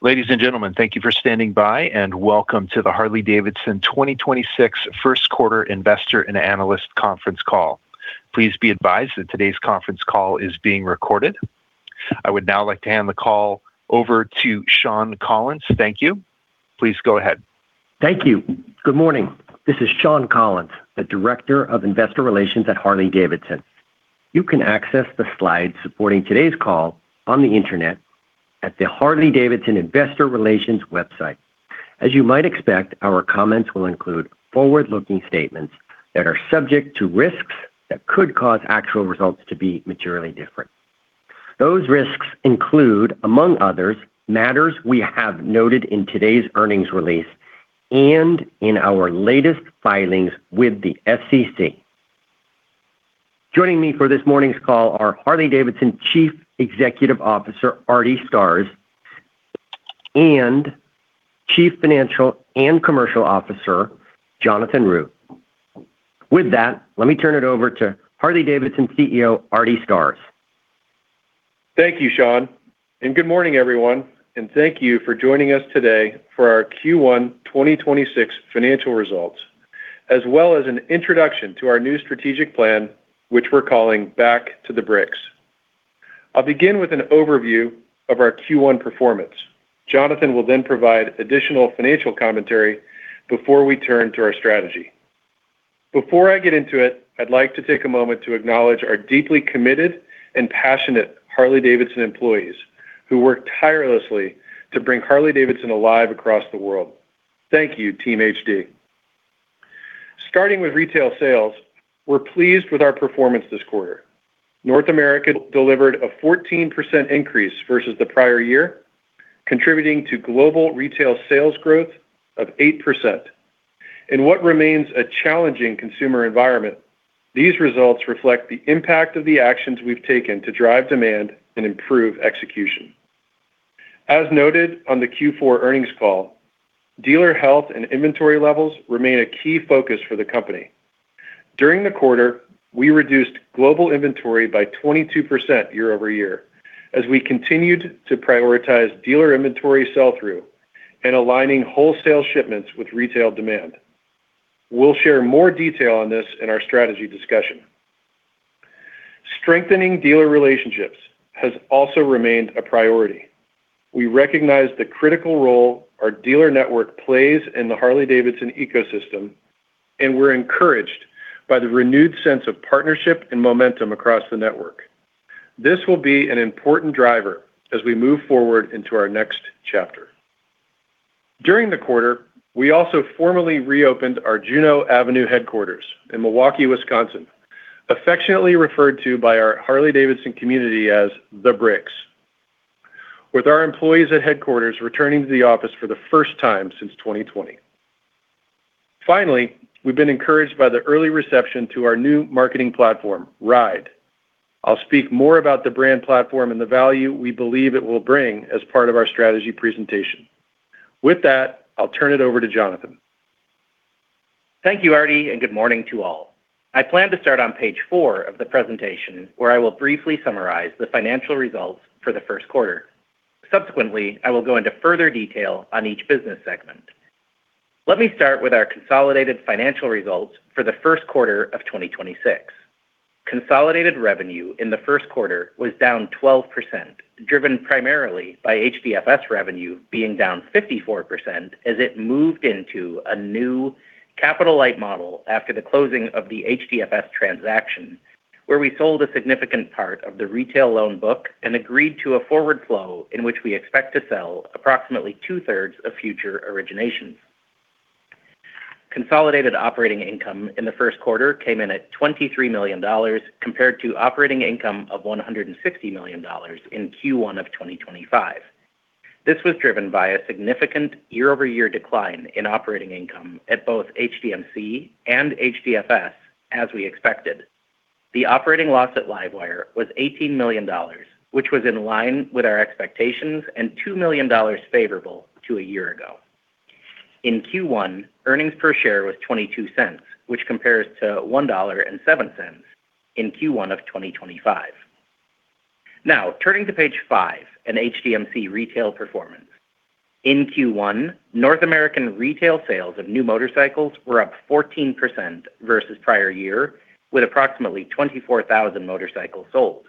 Ladies and gentlemen, thank you for standing by, and welcome to the Harley-Davidson 2026 first quarter investor and analyst conference call. Please be advised that today's conference call is being recorded. I would now like to hand the call over to Shawn Collins. Thank you. Please go ahead. Thank you. Good morning. This is Shawn Collins, the Director of Investor Relations at Harley-Davidson. You can access the slides supporting today's call on the internet at the Harley-Davidson Investor Relations website. As you might expect, our comments will include forward-looking statements that are subject to risks that could cause actual results to be materially different. Those risks include, among others, matters we have noted in today's earnings release and in our latest filings with the SEC. Joining me for this morning's call are Harley-Davidson Chief Executive Officer, Artie Starrs, and Chief Financial and Commercial Officer, Jonathan Root. With that, let me turn it over to Harley-Davidson CEO, Artie Starrs. Thank you, Shawn, and good morning, everyone, and thank you for joining us today for our Q1 2026 financial results, as well as an introduction to our new strategic plan, which we're calling Back to the Bricks. I'll begin with an overview of our Q1 performance. Jonathan will then provide additional financial commentary before we turn to our strategy. Before I get into it, I'd like to take a moment to acknowledge our deeply committed and passionate Harley-Davidson employees who work tirelessly to bring Harley-Davidson alive across the world. Thank you, Team HD. Starting with retail sales, we're pleased with our performance this quarter. North America delivered a 14% increase versus the prior year, contributing to global retail sales growth of 8%. In what remains a challenging consumer environment, these results reflect the impact of the actions we've taken to drive demand and improve execution. As noted on the Q4 earnings call, dealer health and inventory levels remain a key focus for the company. During the quarter, we reduced global inventory by 22% year-over-year, as we continued to prioritize dealer inventory sell-through and aligning wholesale shipments with retail demand. We'll share more detail on this in our strategy discussion. Strengthening dealer relationships has also remained a priority. We recognize the critical role our dealer network plays in the Harley-Davidson ecosystem, and we're encouraged by the renewed sense of partnership and momentum across the network. This will be an important driver as we move forward into our next chapter. During the quarter, we also formally reopened our Juneau Avenue headquarters in Milwaukee, Wisconsin, affectionately referred to by our Harley-Davidson community as "The Bricks," with our employees at headquarters returning to the office for the first time since 2020. Finally, we've been encouraged by the early reception to our new marketing platform, RIDE. I'll speak more about the brand platform and the value we believe it will bring as part of our strategy presentation. With that, I'll turn it over to Jonathan. Thank you, Artie, and good morning to all. I plan to start on Page four of the presentation, where I will briefly summarize the financial results for the first quarter. I will go into further detail on each business segment. Let me start with our consolidated financial results for the first quarter of 2026. Consolidated revenue in the first quarter was down 12%, driven primarily by HDFS revenue being down 54% as it moved into a new capital-light model after the closing of the HDFS transaction, where we sold a significant part of the retail loan book and agreed to a forward flow in which we expect to sell approximately two-thirds of future originations. Consolidated operating income in the first quarter came in at $23 million compared to operating income of $160 million in Q1 of 2025. This was driven by a significant year-over-year decline in operating income at both HDMC and HDFS, as we expected. The operating loss at LiveWire was $18 million, which was in line with our expectations and $2 million favorable to a year ago. In Q1, earnings per share was $0.22, which compares to $1.07 in Q1 of 2025. Turning to Page five and HDMC retail performance. In Q1, North American retail sales of new motorcycles were up 14% versus prior year, with approximately 24,000 motorcycles sold.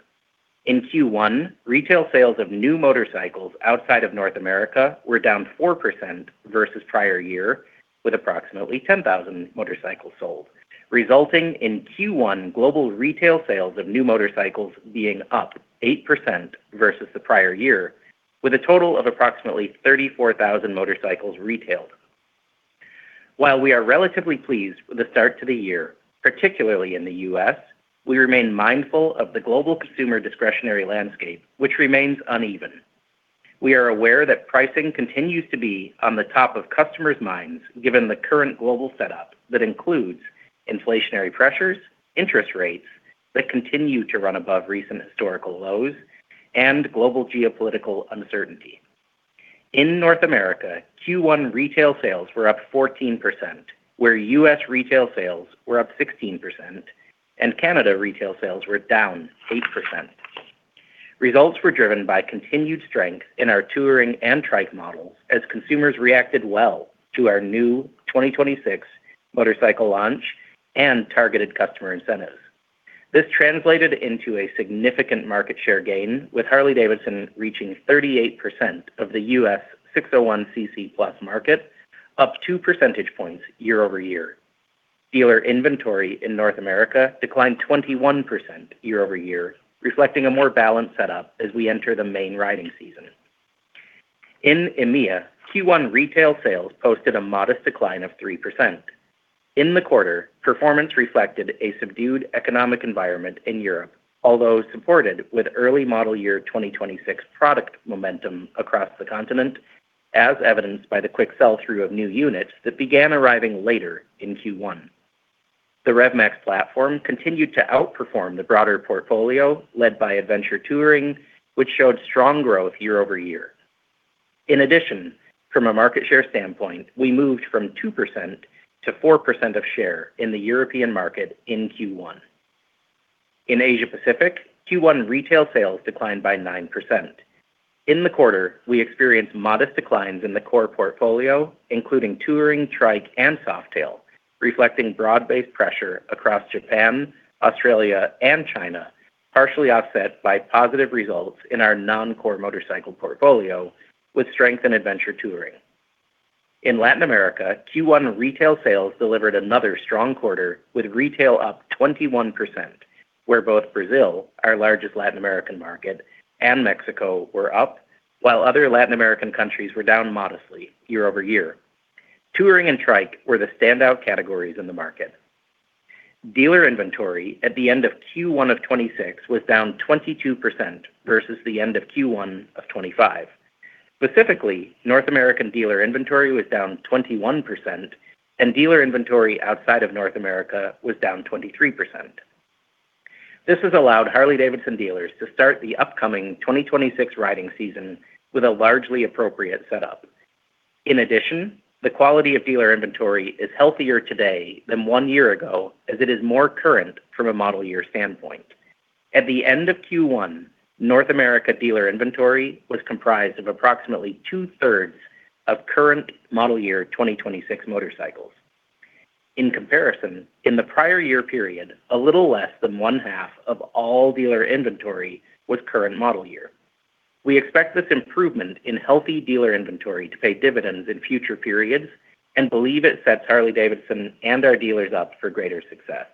In Q1, retail sales of new motorcycles outside of North America were down 4% versus prior year, with approximately 10,000 motorcycles sold, resulting in Q1 global retail sales of new motorcycles being up 8% versus the prior year, with a total of approximately 34,000 motorcycles retailed. While we are relatively pleased with the start to the year, particularly in the U.S., we remain mindful of the global consumer discretionary landscape, which remains uneven. We are aware that pricing continues to be on the top of customers' minds given the current global setup that includes inflationary pressures, interest rates that continue to run above recent historical lows, and global geopolitical uncertainty. In North America, Q1 retail sales were up 14%, where U.S. retail sales were up 16%. Canada retail sales were down 8%. Results were driven by continued strength in our Touring and Trike models as consumers reacted well to our new 2026 motorcycle launch and targeted customer incentives. This translated into a significant market share gain, with Harley-Davidson reaching 38% of the U.S. 601 cc+ market, up 2 percentage points year-over-year. Dealer inventory in North America declined 21% year-over-year, reflecting a more balanced setup as we enter the main riding season. In EMEA, Q1 retail sales posted a modest decline of 3%. In the quarter, performance reflected a subdued economic environment in Europe, although supported with early model year 2026 product momentum across the continent, as evidenced by the quick sell-through of new units that began arriving later in Q1. The Revolution Max platform continued to outperform the broader portfolio, led by Adventure Touring, which showed strong growth year-over-year. In addition, from a market share standpoint, we moved from 2%-4% of share in the European market in Q1. In Asia Pacific, Q1 retail sales declined by 9%. In the quarter, we experienced modest declines in the core portfolio, including Touring, Trike, and Softail, reflecting broad-based pressure across Japan, Australia, and China, partially offset by positive results in our non-core motorcycle portfolio with strength in Adventure Touring. In Latin America, Q1 retail sales delivered another strong quarter with retail up 21%, where both Brazil, our largest Latin American market, and Mexico were up, while other Latin American countries were down modestly year-over-year. Touring and Trike were the standout categories in the market. Dealer inventory at the end of Q1 of 2026 was down 22% versus the end of Q1 of 2025. Specifically, North American dealer inventory was down 21%, and dealer inventory outside of North America was down 23%. This has allowed Harley-Davidson dealers to start the upcoming 2026 riding season with a largely appropriate setup. In addition, the quality of dealer inventory is healthier today than one year ago, as it is more current from a model year standpoint. At the end of Q1, North America dealer inventory was comprised of approximately two-thirds of current model year 2026 motorcycles. In comparison, in the prior year period, a little less than one-half of all dealer inventory was current model year. We expect this improvement in healthy dealer inventory to pay dividends in future periods and believe it sets Harley-Davidson and our dealers up for greater success.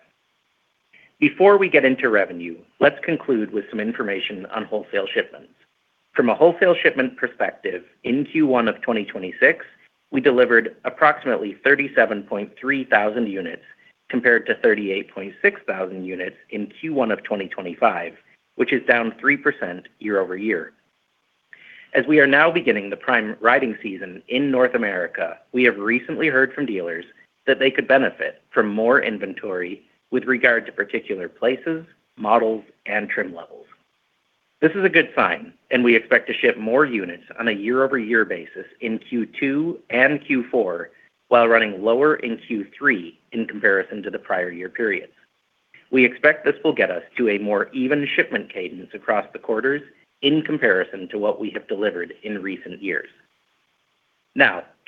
Before we get into revenue, let's conclude with some information on wholesale shipments. From a wholesale shipment perspective, in Q1 of 2026, we delivered approximately 37,300 units compared to 38,600 units in Q1 of 2025, which is down 3% year-over-year. As we are now beginning the prime riding season in North America, we have recently heard from dealers that they could benefit from more inventory with regard to particular places, models, and trim levels. This is a good sign, and we expect to ship more units on a year-over-year basis in Q2 and Q4 while running lower in Q3 in comparison to the prior year periods. We expect this will get us to a more even shipment cadence across the quarters in comparison to what we have delivered in recent years.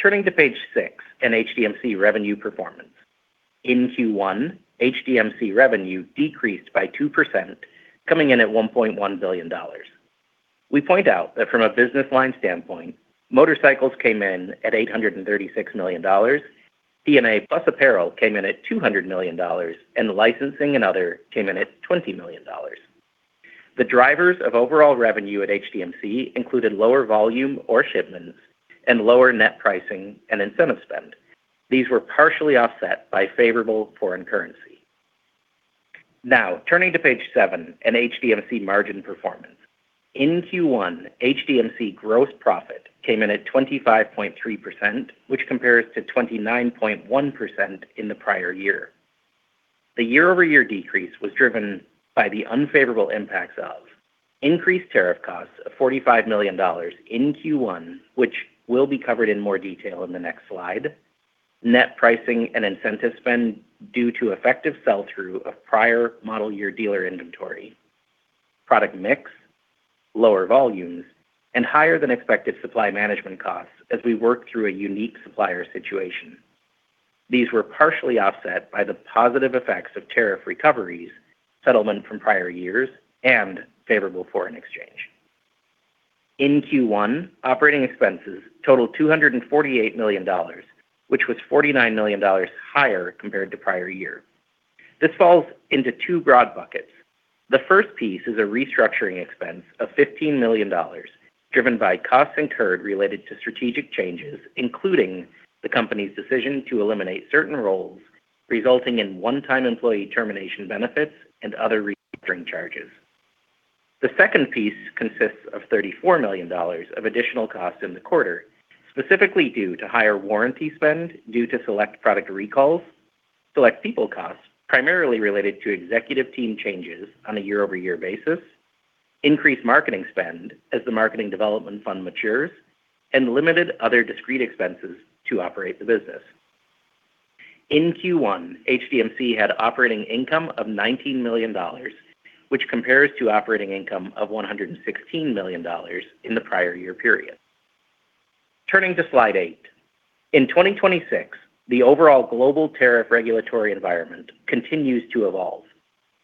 Turning to Page six and HDMC revenue performance. In Q1, HDMC revenue decreased by 2%, coming in at $1.1 billion. We point out that from a business line standpoint, motorcycles came in at $836 million, P&A plus apparel came in at $200 million, and licensing and other came in at $20 million. The drivers of overall revenue at HDMC included lower volume or shipments and lower net pricing and incentive spend. These were partially offset by favorable foreign currency. Turning to Page seven and HDMC margin performance. In Q1, HDMC gross profit came in at 25.3%, which compares to 29.1% in the prior year. The year-over-year decrease was driven by the unfavorable impacts of increased tariff costs of $45 million in Q1, which will be covered in more detail in the next slide, net pricing and incentive spend due to effective sell-through of prior model year dealer inventory, product mix, lower volumes, and higher than expected supply management costs as we work through a unique supplier situation. These were partially offset by the positive effects of tariff recoveries, settlement from prior years, and favorable foreign exchange. In Q1, operating expenses totaled $248 million, which was $49 million higher compared to prior year. This falls into two broad buckets. The first piece is a restructuring expense of $15 million, driven by costs incurred related to strategic changes, including the company's decision to eliminate certain roles, resulting in one-time employee termination benefits and other restructuring charges. The second piece consists of $34 million of additional costs in the quarter, specifically due to higher warranty spend due to select product recalls, select people costs, primarily related to executive team changes on a year-over-year basis. Increased marketing spend as the Marketing Development Fund matures and limited other discrete expenses to operate the business. In Q1, HDMC had operating income of $19 million, which compares to operating income of $116 million in the prior year period. Turning to Slide eight. In 2026, the overall global tariff regulatory environment continues to evolve.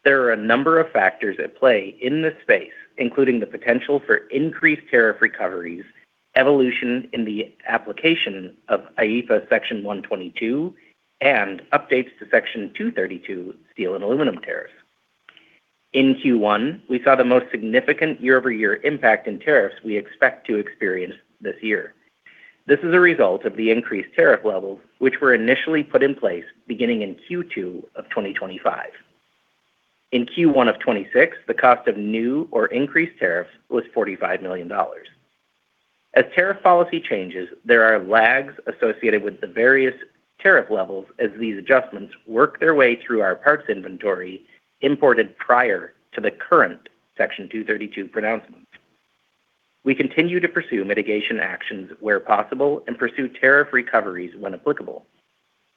There are a number of factors at play in this space, including the potential for increased tariff recoveries, evolution in the application of IEEPA Section 122, and updates to Section 232 steel and aluminum tariffs. In Q1, we saw the most significant year-over-year impact in tariffs we expect to experience this year. This is a result of the increased tariff levels, which were initially put in place beginning in Q2 of 2025. In Q1 of 2026, the cost of new or increased tariffs was $45 million. As tariff policy changes, there are lags associated with the various tariff levels as these adjustments work their way through our parts inventory imported prior to the current Section 232 pronouncements. We continue to pursue mitigation actions where possible and pursue tariff recoveries when applicable.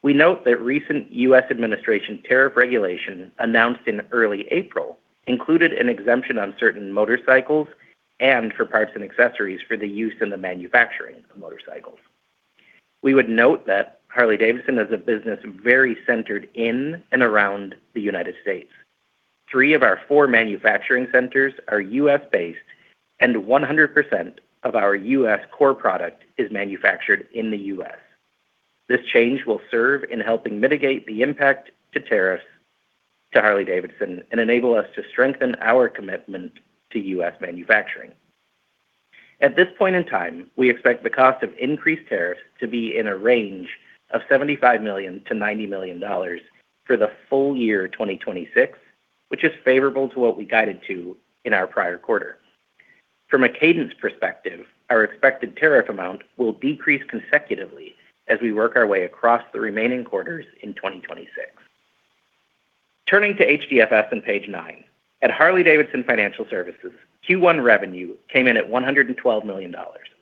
We note that recent U.S. administration tariff regulation announced in early April included an exemption on certain motorcycles and for parts and accessories for the use in the manufacturing of motorcycles. We would note that Harley-Davidson is a business very centered in and around the United States. Three of our four manufacturing centers are U.S.-based. 100% of our U.S. core product is manufactured in the U.S. This change will serve in helping mitigate the impact to tariffs to Harley-Davidson and enable us to strengthen our commitment to U.S. manufacturing. At this point in time, we expect the cost of increased tariffs to be in a range of $75 million-$90 million for the full-year 2026, which is favorable to what we guided to in our prior quarter. From a cadence perspective, our expected tariff amount will decrease consecutively as we work our way across the remaining quarters in 2026. Turning to HDFS on Page nine. At Harley-Davidson Financial Services, Q1 revenue came in at $112 million,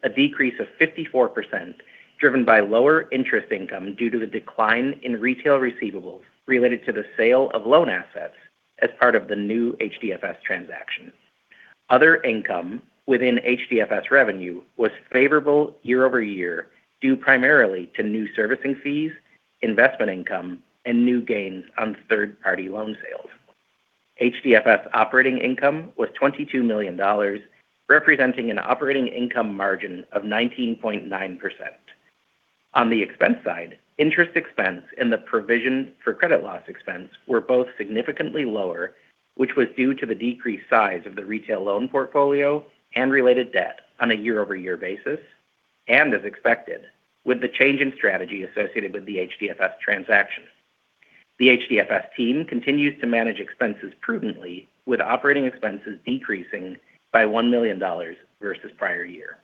a decrease of 54%, driven by lower interest income due to the decline in retail receivables related to the sale of loan assets as part of the new HDFS transaction. Other income within HDFS revenue was favorable year-over-year, due primarily to new servicing fees, investment income, and new gains on third-party loan sales. HDFS operating income was $22 million, representing an operating income margin of 19.9%. On the expense side, interest expense and the provision for credit loss expense were both significantly lower, which was due to the decreased size of the retail loan portfolio and related debt on a year-over-year basis, and as expected with the change in strategy associated with the HDFS transaction. The HDFS team continues to manage expenses prudently, with operating expenses decreasing by $1 million versus prior year.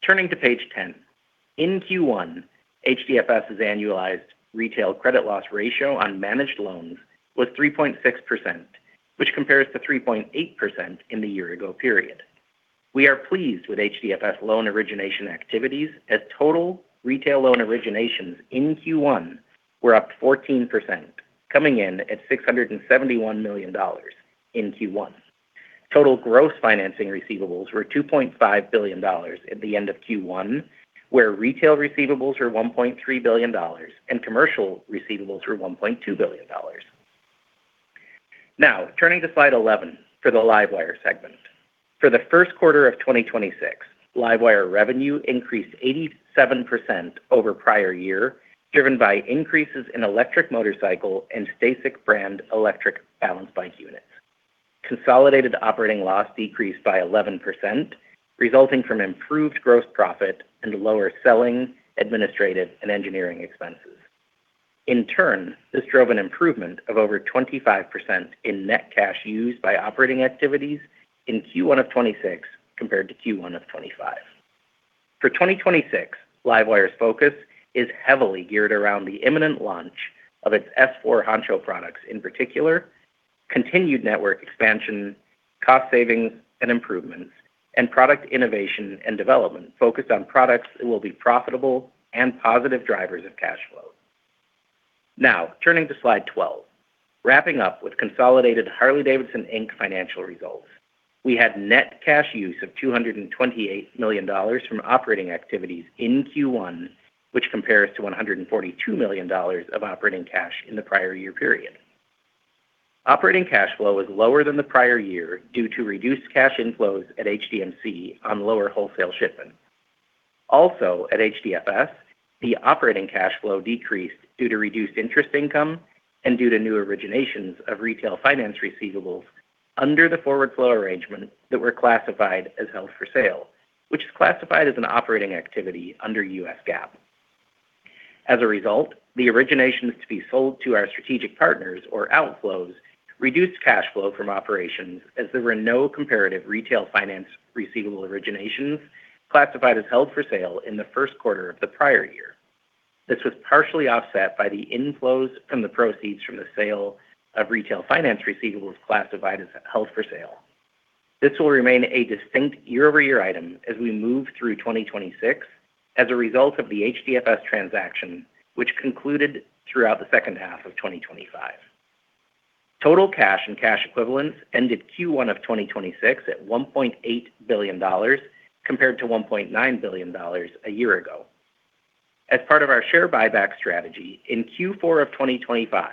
Turning to Page 10. In Q1, HDFS's annualized retail credit loss ratio on managed loans was 3.6%, which compares to 3.8% in the year-ago period. We are pleased with HDFS loan origination activities as total retail loan originations in Q1 were up 14%, coming in at $671 million in Q1. Total gross financing receivables were $2.5 billion at the end of Q1, where retail receivables were $1.3 billion and commercial receivables were $1.2 billion. Turning to Slide 11 for the LiveWire segment. For the first quarter of 2026, LiveWire revenue increased 87% over prior year, driven by increases in electric motorcycle and STACYC brand electric balanced bike units. Consolidated operating loss decreased by 11%, resulting from improved gross profit and lower selling, administrative, and engineering expenses. In turn, this drove an improvement of over 25% in net cash used by operating activities in Q1 of 2026 compared to Q1 of 2025. For 2026, LiveWire's focus is heavily geared around the imminent launch of its S4 Honcho products, in particular, continued network expansion, cost savings and improvements, and product innovation and development focused on products that will be profitable and positive drivers of cash flow. Now, turning to Slide 12. Wrapping up with consolidated Harley-Davidson, Inc. financial results. We had net cash use of $228 million from operating activities in Q1, which compares to $142 million of operating cash in the prior year period. Operating cash flow was lower than the prior year due to reduced cash inflows at HDMC on lower wholesale shipments. Also, at HDFS, the operating cash flow decreased due to reduced interest income and due to new originations of retail finance receivables under the forward flow arrangement that were classified as held for sale, which is classified as an operating activity under US GAAP. As a result, the originations to be sold to our strategic partners or outflows reduced cash flow from operations as there were no comparative retail finance receivable originations classified as held for sale in the first quarter of the prior year. This was partially offset by the inflows from the proceeds from the sale of retail finance receivables classified as held for sale. This will remain a distinct year-over-year item as we move through 2026 as a result of the HDFS transaction, which concluded throughout the second half of 2025. Total cash and cash equivalents ended Q1 of 2026 at $1.8 billion compared to $1.9 billion a year ago. As part of our share buyback strategy, in Q4 of 2025,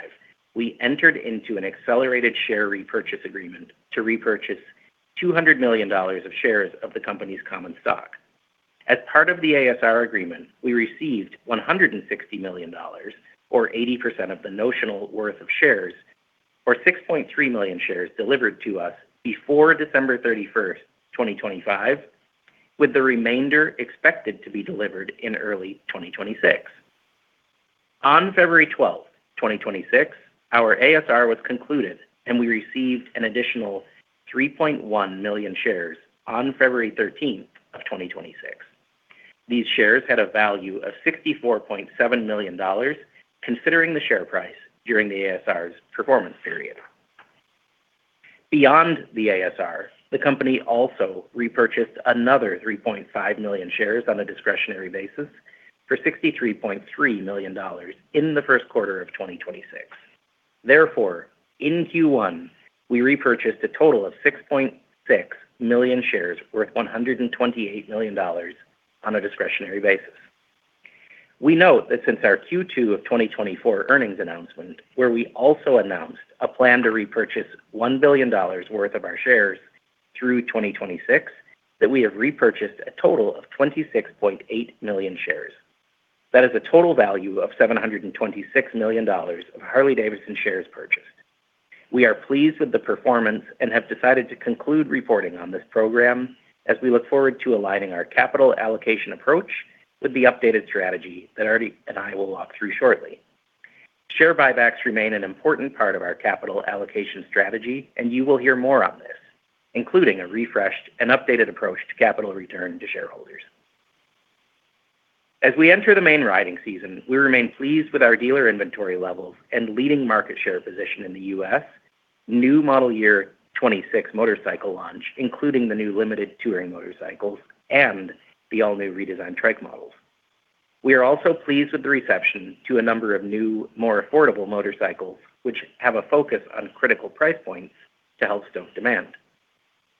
we entered into an accelerated share repurchase agreement to repurchase $200 million of shares of the company's common stock. As part of the ASR agreement, we received $160 million, or 80% of the notional worth of shares, or 6.3 million shares delivered to us before December 31st, 2025, with the remainder expected to be delivered in early 2026. On February 12th, 2026, our ASR was concluded, and we received an additional 3.1 million shares on February 13th, 2026. These shares had a value of $64.7 million considering the share price during the ASR's performance period. Beyond the ASR, the company also repurchased another 3.5 million shares on a discretionary basis for $63.3 million in the first quarter of 2026. Therefore, in Q1, we repurchased a total of 6.6 million shares worth $128 million on a discretionary basis. We note that since our Q2 of 2024 earnings announcement, where we also announced a plan to repurchase $1 billion worth of our shares through 2026, that we have repurchased a total of 26.8 million shares. That is a total value of $726 million of Harley-Davidson shares purchased. We are pleased with the performance and have decided to conclude reporting on this program as we look forward to aligning our capital allocation approach with the updated strategy that Artie and I will walk through shortly. Share buybacks remain an important part of our capital allocation strategy, and you will hear more on this, including a refreshed and updated approach to capital return to shareholders. As we enter the main riding season, we remain pleased with our dealer inventory levels and leading market share position in the U.S., new model year 26 motorcycle launch, including the new limited Touring motorcycles and the all-new redesigned Trike models. We are also pleased with the reception to a number of new, more affordable motorcycles, which have a focus on critical price points to help stoke demand.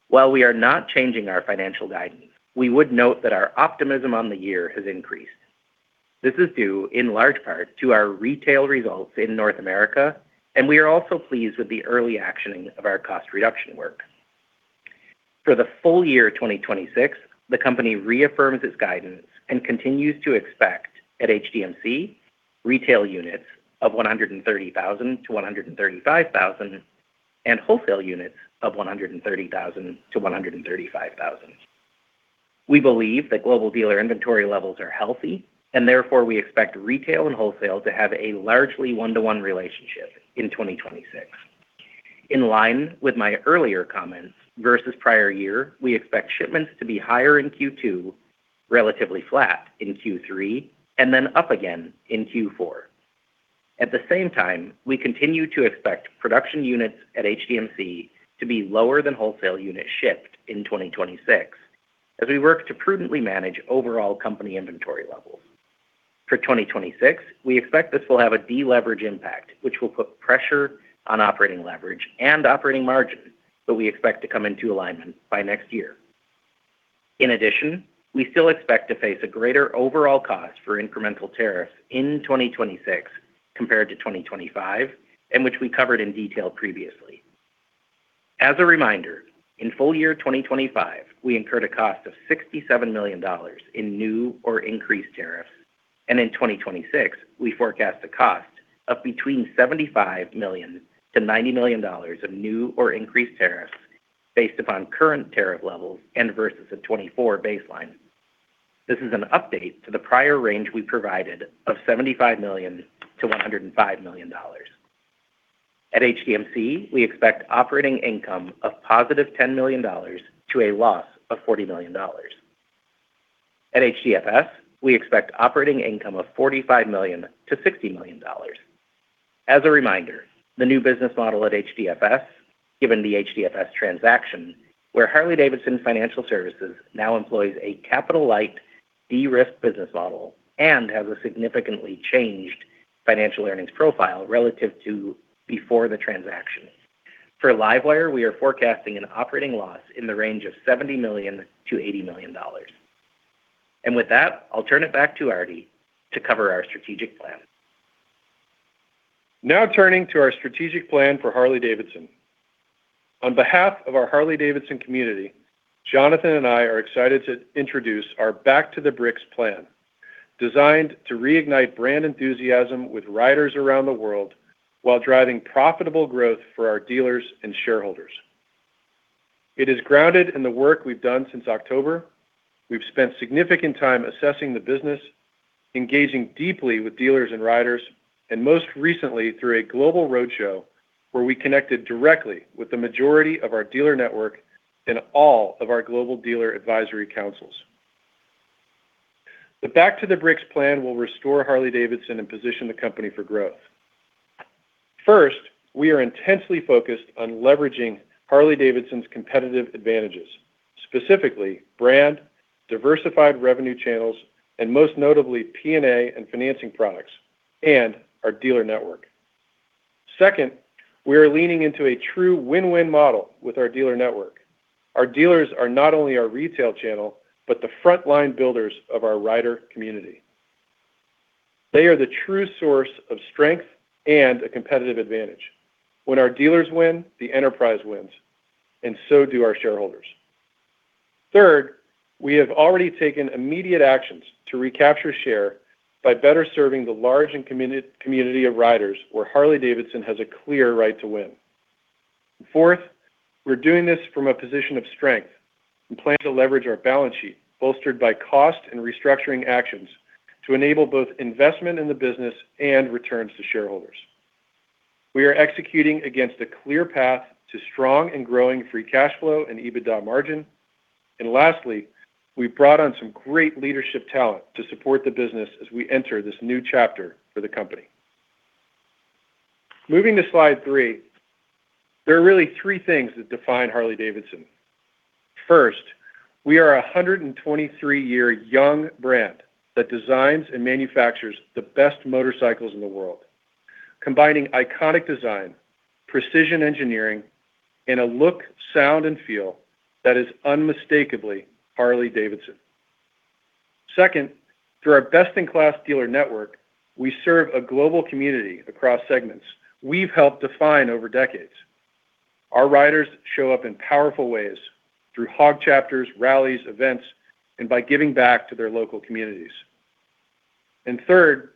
While we are not changing our financial guidance, we would note that our optimism on the year has increased. This is due in large part to our retail results in North America, and we are also pleased with the early actioning of our cost reduction work. For the full-year 2026, the company reaffirms its guidance and continues to expect at HDMC retail units of 130,000-135,000 and wholesale units of 130,000-135,000. We believe that global dealer inventory levels are healthy, and therefore, we expect retail and wholesale to have a largely one to one relationship in 2026. In line with my earlier comments versus prior year, we expect shipments to be higher in Q2, relatively flat in Q3, and then up again in Q4. At the same time, we continue to expect production units at HDMC to be lower than wholesale units shipped in 2026 as we work to prudently manage overall company inventory levels. For 2026, we expect this will have a deleverage impact, which will put pressure on operating leverage and operating margin that we expect to come into alignment by next year. In addition, we still expect to face a greater overall cost for incremental tariffs in 2026 compared to 2025, and which we covered in detail previously. As a reminder, in full-year 2025, we incurred a cost of $67 million in new or increased tariffs, and in 2026, we forecast a cost of between $75 million-$90 million of new or increased tariffs based upon current tariff levels and versus a 2024 baseline. This is an update to the prior range we provided of $75 million-$105 million. At HDMC, we expect operating income of +$10 million to a loss of $40 million. At HDFS, we expect operating income of $45 million-$60 million. As a reminder, the new business model at HDFS, given the HDFS transaction, where Harley-Davidson Financial Services now employs a capital-light, de-risked business model and has a significantly changed financial earnings profile relative to before the transaction. For LiveWire, we are forecasting an operating loss in the range of $70 million-$80 million. With that, I'll turn it back to Artie to cover our strategic plan. Now turning to our strategic plan for Harley-Davidson. On behalf of our Harley-Davidson community, Jonathan and I are excited to introduce our Back to the Bricks plan, designed to reignite brand enthusiasm with riders around the world while driving profitable growth for our dealers and shareholders. It is grounded in the work we've done since October. We've spent significant time assessing the business, engaging deeply with dealers and riders, and most recently through a global roadshow, where we connected directly with the majority of our dealer network and all of our global dealer advisory councils. The Back to the Bricks plan will restore Harley-Davidson and position the company for growth. First, we are intensely focused on leveraging Harley-Davidson's competitive advantages, specifically brand, diversified revenue channels, and most notably P&A and financing products, and our dealer network. Second, we are leaning into a true win-win model with our dealer network. Our dealers are not only our retail channel, but the frontline builders of our rider community. They are the true source of strength and a competitive advantage. When our dealers win, the enterprise wins, and so do our shareholders. Third, we have already taken immediate actions to recapture share by better serving the large and community of riders where Harley-Davidson has a clear right to win. Fourth, we're doing this from a position of strength and plan to leverage our balance sheet, bolstered by cost and restructuring actions to enable both investment in the business and returns to shareholders. We are executing against a clear path to strong and growing free cash flow and EBITDA margin. Lastly, we've brought on some great leadership talent to support the business as we enter this new chapter for the company. Moving to Slide three, there are really three things that define Harley-Davidson. First, we are a 123 year young brand that designs and manufactures the best motorcycles in the world, combining iconic design, precision engineering, and a look, sound, and feel that is unmistakably Harley-Davidson. Second, through our best-in-class dealer network, we serve a global community across segments we've helped define over decades. Our riders show up in powerful ways through HOG chapters, rallies, events, and by giving back to their local communities. Third,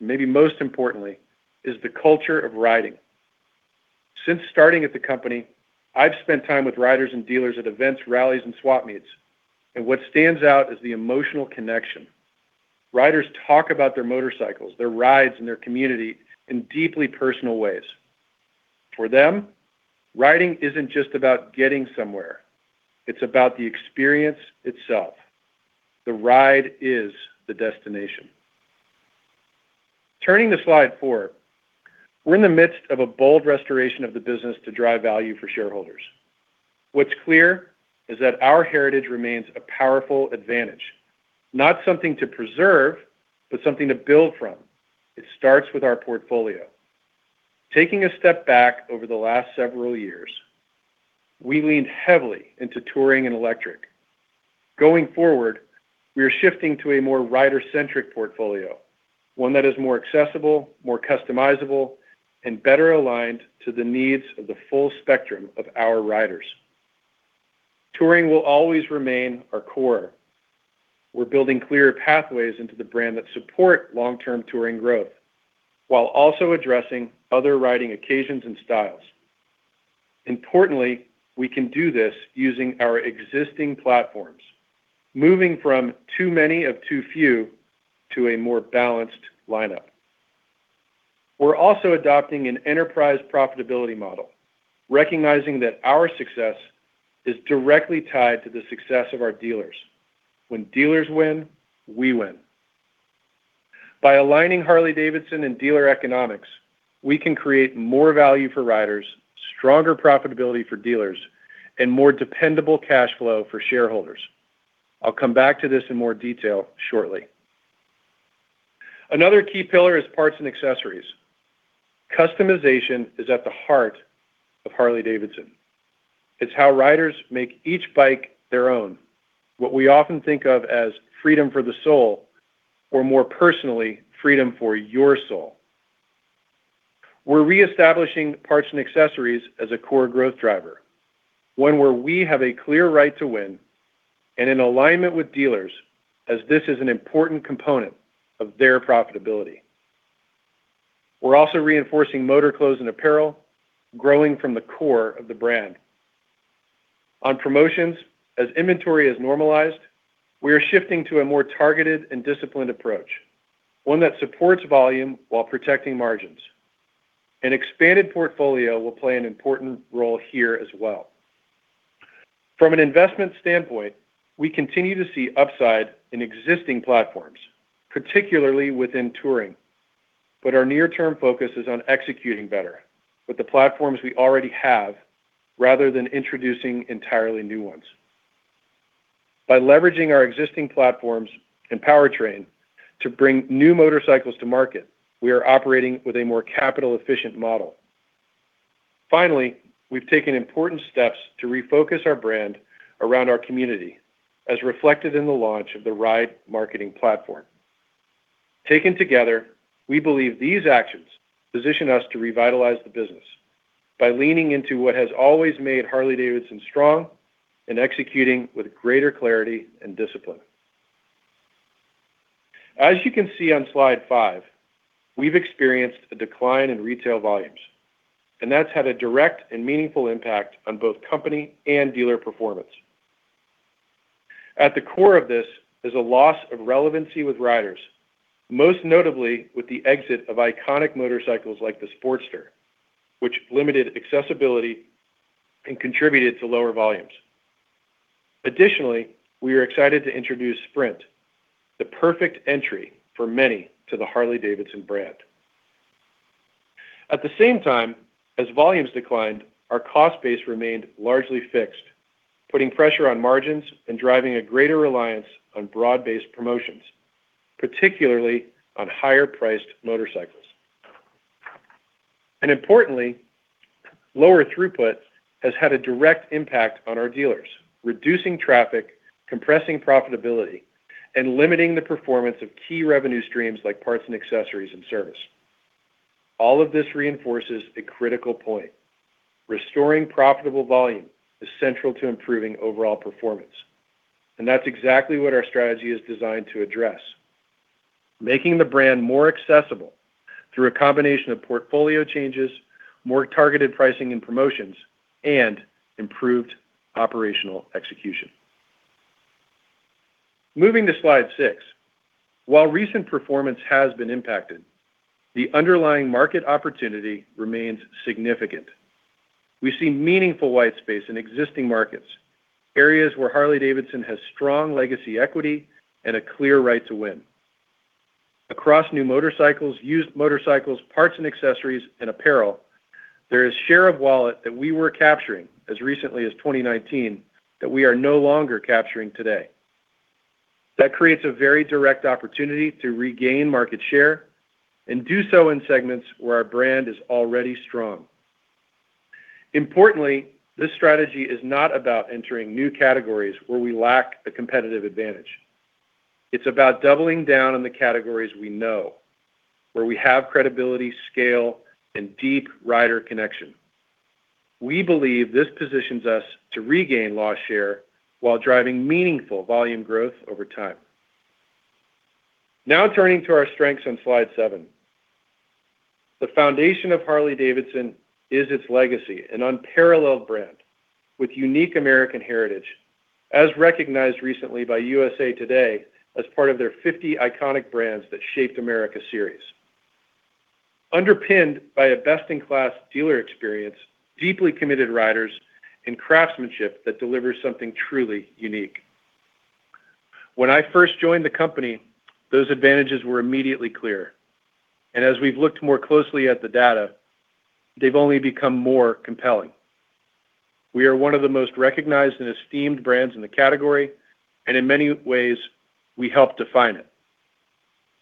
maybe most importantly, is the culture of riding. Since starting at the company, I've spent time with riders and dealers at events, rallies, and swap meets, and what stands out is the emotional connection. Riders talk about their motorcycles, their rides, and their community in deeply personal ways. For them, riding isn't just about getting somewhere. It's about the experience itself. The ride is the destination. Turning to Slide four, we're in the midst of a bold restoration of the business to drive value for shareholders. What's clear is that our heritage remains a powerful advantage, not something to preserve, but something to build from. It starts with our portfolio. Taking a step back over the last several years, we leaned heavily into Touring and electric. Going forward, we are shifting to a more rider-centric portfolio, one that is more accessible, more customizable, and better aligned to the needs of the full spectrum of our riders. Touring will always remain our core. We're building clearer pathways into the brand that support long-term Touring growth while also addressing other riding occasions and styles. Importantly, we can do this using our existing platforms, moving from too many of too few to a more balanced lineup. We're also adopting an enterprise profitability model, recognizing that our success is directly tied to the success of our dealers. When dealers win, we win. By aligning Harley-Davidson and dealer economics, we can create more value for riders, stronger profitability for dealers, and more dependable cash flow for shareholders. I'll come back to this in more detail shortly. Another key pillar is Parts & Accessories. Customization is at the heart of Harley-Davidson. It's how riders make each bike their own. What we often think of as freedom for the soul or more personally, freedom for your soul. We're reestablishing Parts & Accessories as a core growth driver. One where we have a clear right to win and in alignment with dealers, as this is an important component of their profitability. We're also reinforcing Motor Clothes and Apparel, growing from the core of the brand. On promotions, as inventory is normalized, we are shifting to a more targeted and disciplined approach, one that supports volume while protecting margins. An expanded portfolio will play an important role here as well. From an investment standpoint, we continue to see upside in existing platforms, particularly within Touring, but our near-term focus is on executing better with the platforms we already have, rather than introducing entirely new ones. By leveraging our existing platforms and powertrain to bring new motorcycles to market, we are operating with a more capital-efficient model. We've taken important steps to refocus our brand around our community, as reflected in the launch of the RIDE marketing platform. Taken together, we believe these actions position us to revitalize the business by leaning into what has always made Harley-Davidson strong and executing with greater clarity and discipline. As you can see on Slide five, that's had a direct and meaningful impact on both company and dealer performance. At the core of this is a loss of relevancy with riders, most notably with the exit of iconic motorcycles like the Sportster, which limited accessibility and contributed to lower volumes. Additionally, we are excited to introduce Sprint, the perfect entry for many to the Harley-Davidson brand. At the same time, as volumes declined, our cost base remained largely fixed, putting pressure on margins and driving a greater reliance on broad-based promotions, particularly on higher-priced motorcycles. Importantly, lower throughput has had a direct impact on our dealers, reducing traffic, compressing profitability, and limiting the performance of key revenue streams like parts and accessories and service. All of this reinforces a critical point. Restoring profitable volume is central to improving overall performance, and that's exactly what our strategy is designed to address, making the brand more accessible through a combination of portfolio changes, more targeted pricing and promotions, and improved operational execution. Moving to Slide six. While recent performance has been impacted, the underlying market opportunity remains significant. We see meaningful white space in existing markets, areas where Harley-Davidson has strong legacy equity and a clear right to win. Across new motorcycles, used motorcycles, parts and accessories, and apparel, there is share of wallet that we were capturing as recently as 2019 that we are no longer capturing today. That creates a very direct opportunity to regain market share and do so in segments where our brand is already strong. Importantly, this strategy is not about entering new categories where we lack a competitive advantage. It's about doubling down on the categories we know, where we have credibility, scale, and deep rider connection. We believe this positions us to regain lost share while driving meaningful volume growth over time. Turning to our strengths on Slide seven. The foundation of Harley-Davidson is its legacy, an unparalleled brand with unique American heritage, as recognized recently by USA Today as part of their Fifty Iconic Brands That Shaped America series. Underpinned by a best-in-class dealer experience, deeply committed riders, and craftsmanship that delivers something truly unique. When I first joined the company, those advantages were immediately clear, and as we've looked more closely at the data, they've only become more compelling. We are one of the most recognized and esteemed brands in the category, and in many ways, we help define it.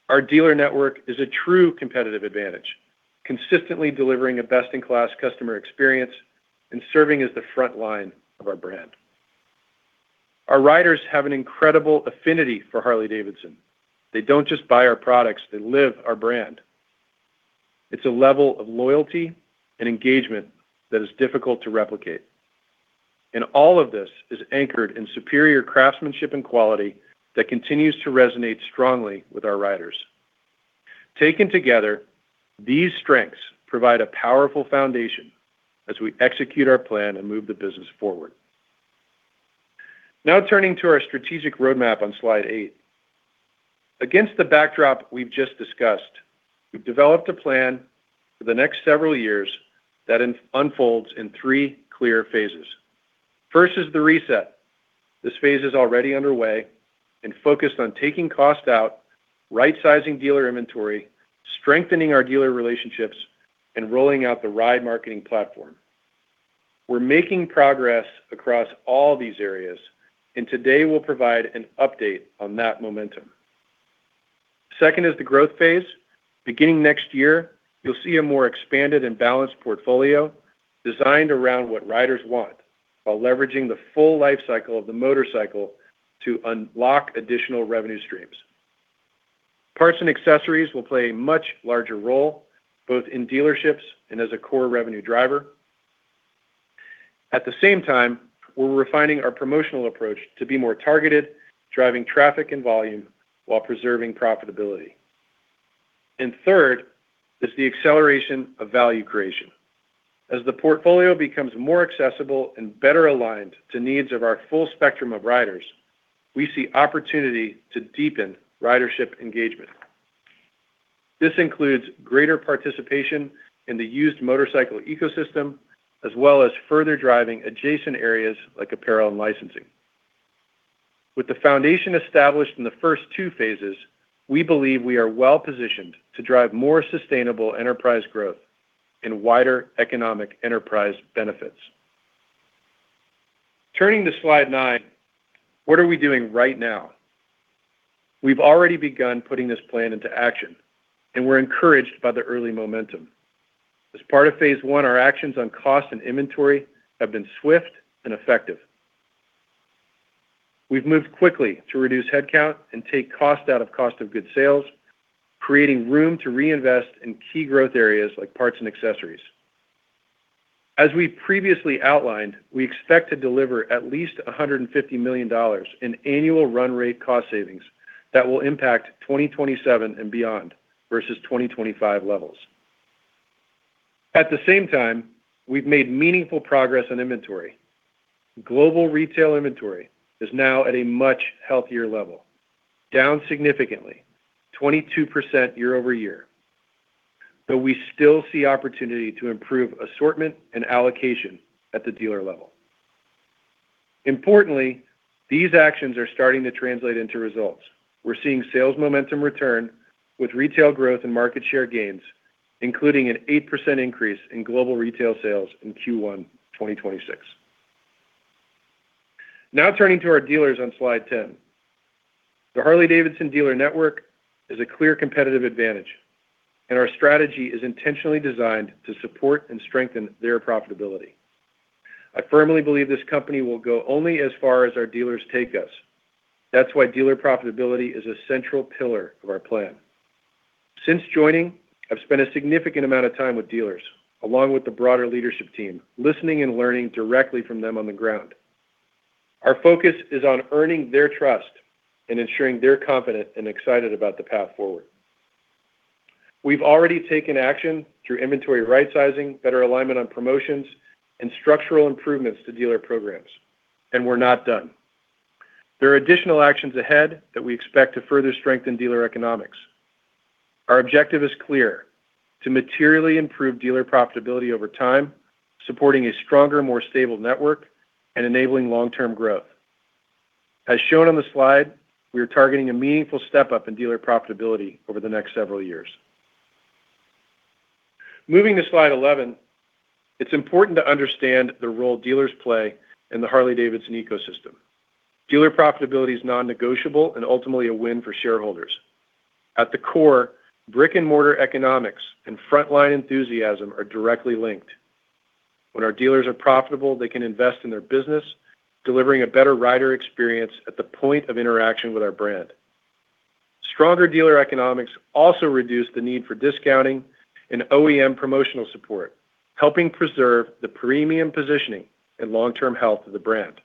Our dealer network is a true competitive advantage, consistently delivering a best-in-class customer experience and serving as the front line of our brand. Our riders have an incredible affinity for Harley-Davidson. They don't just buy our products, they live our brand. It's a level of loyalty and engagement that is difficult to replicate. All of this is anchored in superior craftsmanship and quality that continues to resonate strongly with our riders. Taken together, these strengths provide a powerful foundation as we execute our plan and move the business forward. Turning to our strategic roadmap on Slide eight. Against the backdrop we've just discussed, we've developed a plan for the next several years that unfolds in three clear phases. First is the reset. This phase is already underway and focused on taking cost out, right-sizing dealer inventory, strengthening our dealer relationships, and rolling out the RIDE marketing platform. We're making progress across all these areas, and today we'll provide an update on that momentum. Second is the growth phase. Beginning next year, you'll see a more expanded and balanced portfolio designed around what riders want while leveraging the full lifecycle of the motorcycle to unlock additional revenue streams. Parts and Accessories will play a much larger role, both in dealerships and as a core revenue driver. At the same time, we're refining our promotional approach to be more targeted, driving traffic and volume while preserving profitability. Third is the acceleration of value creation. As the portfolio becomes more accessible and better aligned to needs of our full spectrum of riders, we see opportunity to deepen ridership engagement. This includes greater participation in the used motorcycle ecosystem, as well as further driving adjacent areas like Apparel and Licensing. With the foundation established in the first two phases, we believe we are well-positioned to drive more sustainable enterprise growth and wider economic enterprise benefits. Turning to Slide nine, what are we doing right now? We've already begun putting this plan into action. We're encouraged by the early momentum. As part of phase I, our actions on cost and inventory have been swift and effective. We've moved quickly to reduce headcount and take cost out of cost of goods sold, creating room to reinvest in key growth areas like parts and accessories. As we previously outlined, we expect to deliver at least $150 million in annual run rate cost savings that will impact 2027 and beyond versus 2025 levels. At the same time, we've made meaningful progress on inventory. Global retail inventory is now at a much healthier level, down significantly, 22% year-over-year. We still see opportunity to improve assortment and allocation at the dealer level. Importantly, these actions are starting to translate into results. We're seeing sales momentum return with retail growth and market share gains, including an 8% increase in global retail sales in Q1 2026. Turning to our dealers on Slide 10. The Harley-Davidson dealer network is a clear competitive advantage. Our strategy is intentionally designed to support and strengthen their profitability. I firmly believe this company will go only as far as our dealers take us. That's why dealer profitability is a central pillar of our plan. Since joining, I've spent a significant amount of time with dealers, along with the broader leadership team, listening and learning directly from them on the ground. Our focus is on earning their trust and ensuring they're confident and excited about the path forward. We've already taken action through inventory right-sizing, better alignment on promotions, and structural improvements to dealer programs. We're not done. There are additional actions ahead that we expect to further strengthen dealer economics. Our objective is clear, to materially improve dealer profitability over time, supporting a stronger, more stable network and enabling long-term growth. As shown on the slide, we are targeting a meaningful step-up in dealer profitability over the next several years. Moving to Slide 11, it's important to understand the role dealers play in the Harley-Davidson ecosystem. Dealer profitability is non-negotiable and ultimately a win for shareholders. At the core, brick-and-mortar economics and frontline enthusiasm are directly linked. When our dealers are profitable, they can invest in their business, delivering a better rider experience at the point of interaction with our brand. Stronger dealer economics also reduce the need for discounting and OEM promotional support, helping preserve the premium positioning and long-term health of the brand.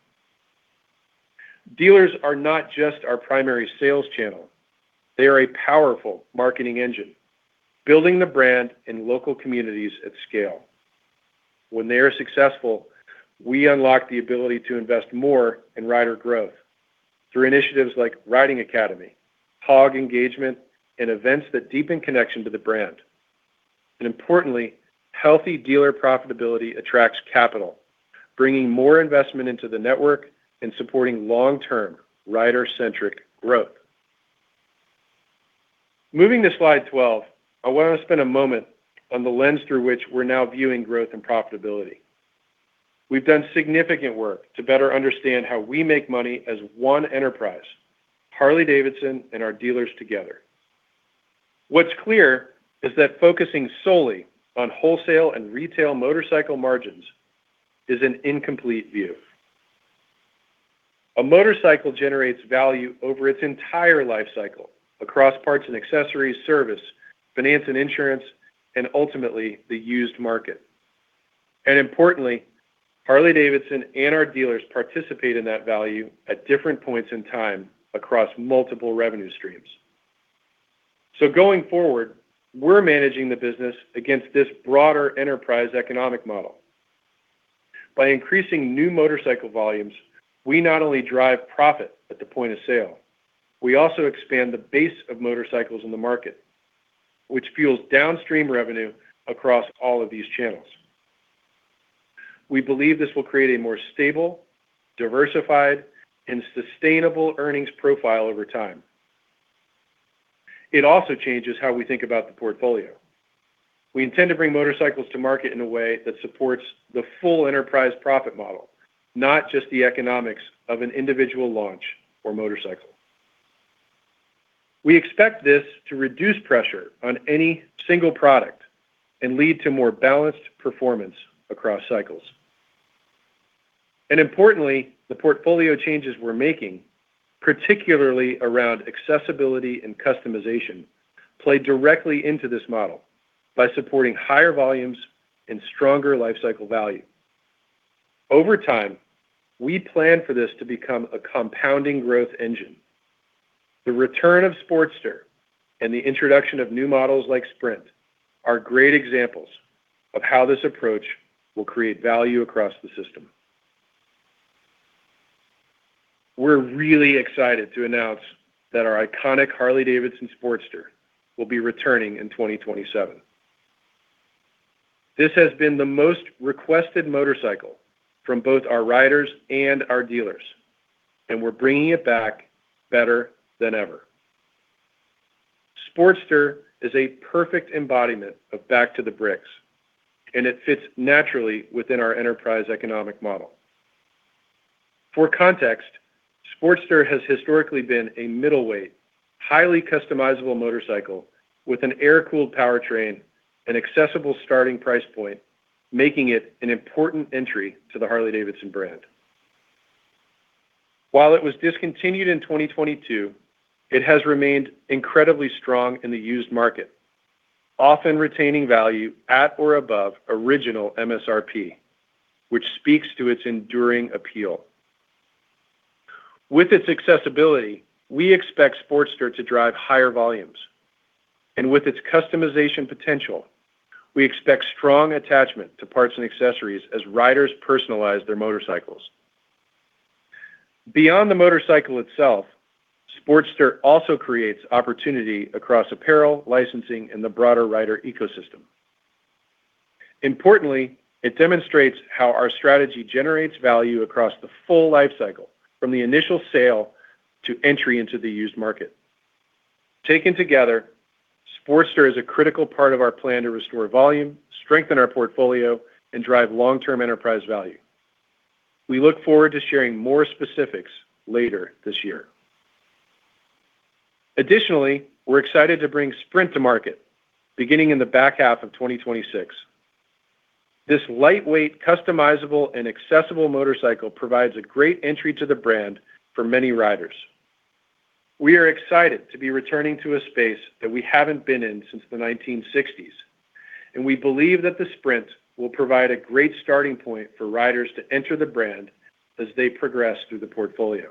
Dealers are not just our primary sales channel. They are a powerful marketing engine, building the brand in local communities at scale. When they are successful, we unlock the ability to invest more in rider growth through initiatives like Riding Academy, HOG engagement, and events that deepen connection to the brand. Importantly, healthy dealer profitability attracts capital, bringing more investment into the network and supporting long-term rider-centric growth. Moving to Slide 12, I want to spend a moment on the lens through which we're now viewing growth and profitability. We've done significant work to better understand how we make money as one enterprise, Harley-Davidson and our dealers together. What's clear is that focusing solely on wholesale and retail motorcycle margins is an incomplete view. A motorcycle generates value over its entire life cycle across parts and accessories, service, finance and insurance, and ultimately the used market. Importantly, Harley-Davidson and our dealers participate in that value at different points in time across multiple revenue streams. Going forward, we're managing the business against this broader enterprise economic model. By increasing new motorcycle volumes, we not only drive profit at the point of sale, we also expand the base of motorcycles in the market, which fuels downstream revenue across all of these channels. We believe this will create a more stable, diversified, and sustainable earnings profile over time. It also changes how we think about the portfolio. We intend to bring motorcycles to market in a way that supports the full enterprise profit model, not just the economics of an individual launch or motorcycle. We expect this to reduce pressure on any single product and lead to more balanced performance across cycles. Importantly, the portfolio changes we're making, particularly around accessibility and customization, play directly into this model by supporting higher volumes and stronger lifecycle value. Over time, we plan for this to become a compounding growth engine. The return of Sportster and the introduction of new models like Sprint are great examples of how this approach will create value across the system. We're really excited to announce that our iconic Harley-Davidson Sportster will be returning in 2027. This has been the most requested motorcycle from both our riders and our dealers. We're bringing it back better than ever. Sportster is a perfect embodiment of Back to the Bricks. It fits naturally within our enterprise economic model. For context, Sportster has historically been a middleweight, highly customizable motorcycle with an air-cooled powertrain and accessible starting price point, making it an important entry to the Harley-Davidson brand. While it was discontinued in 2022, it has remained incredibly strong in the used market, often retaining value at or above original MSRP, which speaks to its enduring appeal. With its accessibility, we expect Sportster to drive higher volumes. With its customization potential, we expect strong attachment to parts and accessories as riders personalize their motorcycles. Beyond the motorcycle itself, Sportster also creates opportunity across Apparel, Licensing, and the broader rider ecosystem. Importantly, it demonstrates how our strategy generates value across the full life cycle, from the initial sale to entry into the used market. Taken together, Sportster is a critical part of our plan to restore volume, strengthen our portfolio, and drive long-term enterprise value. We look forward to sharing more specifics later this year. Additionally, we're excited to bring Sprint to market beginning in the back half of 2026. This lightweight, customizable, and accessible motorcycle provides a great entry to the brand for many riders. We are excited to be returning to a space that we haven't been in since the 1960s, and we believe that the Sprint will provide a great starting point for riders to enter the brand as they progress through the portfolio.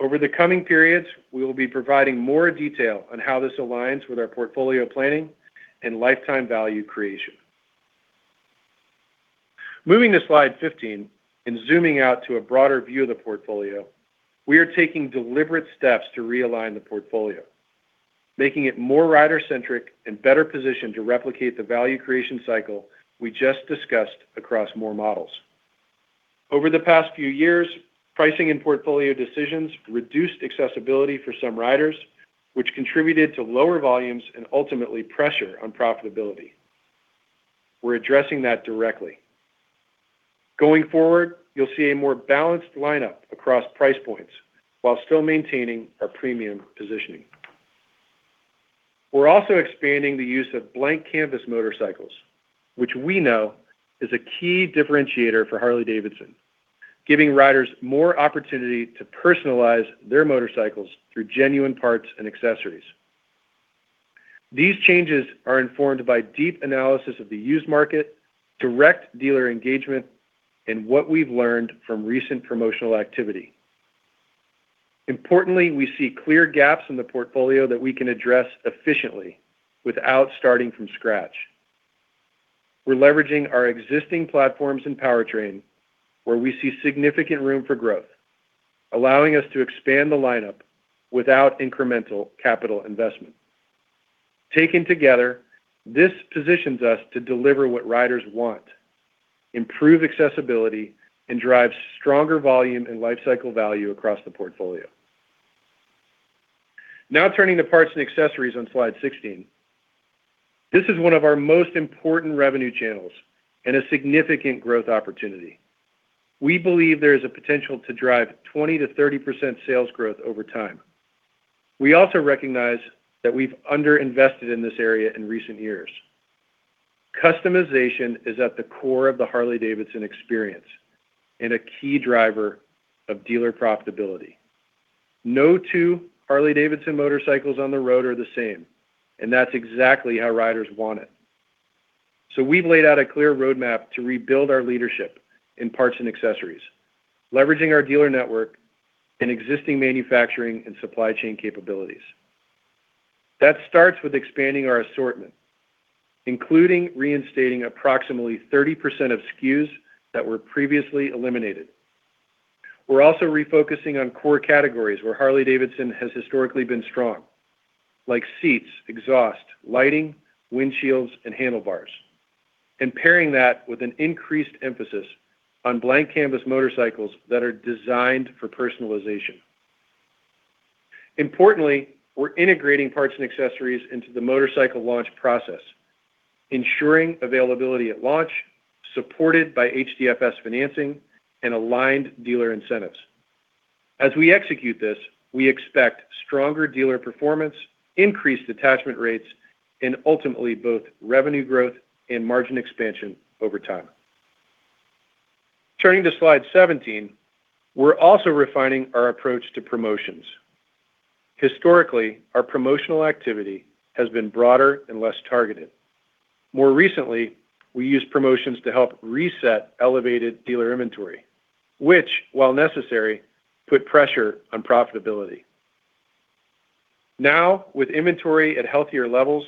Over the coming periods, we will be providing more detail on how this aligns with our portfolio planning and lifetime value creation. Moving to Slide 15, zooming out to a broader view of the portfolio, we are taking deliberate steps to realign the portfolio, making it more rider-centric and better positioned to replicate the value creation cycle we just discussed across more models. Over the past few years, pricing and portfolio decisions reduced accessibility for some riders, which contributed to lower volumes and ultimately pressure on profitability. We're addressing that directly. Going forward, you'll see a more balanced lineup across price points while still maintaining our premium positioning. We're also expanding the use of blank canvas motorcycles, which we know is a key differentiator for Harley-Davidson, giving riders more opportunity to personalize their motorcycles through genuine parts and accessories. These changes are informed by deep analysis of the used market, direct dealer engagement, and what we've learned from recent promotional activity. Importantly, we see clear gaps in the portfolio that we can address efficiently without starting from scratch. We're leveraging our existing platforms and powertrain where we see significant room for growth, allowing us to expand the lineup without incremental capital investment. Taken together, this positions us to deliver what riders want, improve accessibility, and drive stronger volume and lifecycle value across the portfolio. Now, turning to Parts & Accessories on Slide 16. This is one of our most important revenue channels and a significant growth opportunity. We believe there is a potential to drive 20%-30% sales growth over time. We also recognize that we've underinvested in this area in recent years. Customization is at the core of the Harley-Davidson experience and a key driver of dealer profitability. No two Harley-Davidson motorcycles on the road are the same, and that's exactly how riders want it. We've laid out a clear roadmap to rebuild our leadership in parts and accessories, leveraging our dealer network and existing manufacturing and supply chain capabilities. That starts with expanding our assortment, including reinstating approximately 30% of SKUs that were previously eliminated. We're also refocusing on core categories where Harley-Davidson has historically been strong, like seats, exhaust, lighting, windshields, and handlebars, and pairing that with an increased emphasis on blank canvas motorcycles that are designed for personalization. Importantly, we're integrating parts and accessories into the motorcycle launch process, ensuring availability at launch, supported by HDFS financing and aligned dealer incentives. As we execute this, we expect stronger dealer performance, increased attachment rates, and ultimately both revenue growth and margin expansion over time. Turning to Slide 17, we're also refining our approach to promotions. Historically, our promotional activity has been broader and less targeted. More recently, we used promotions to help reset elevated dealer inventory, which, while necessary, put pressure on profitability. Now, with inventory at healthier levels,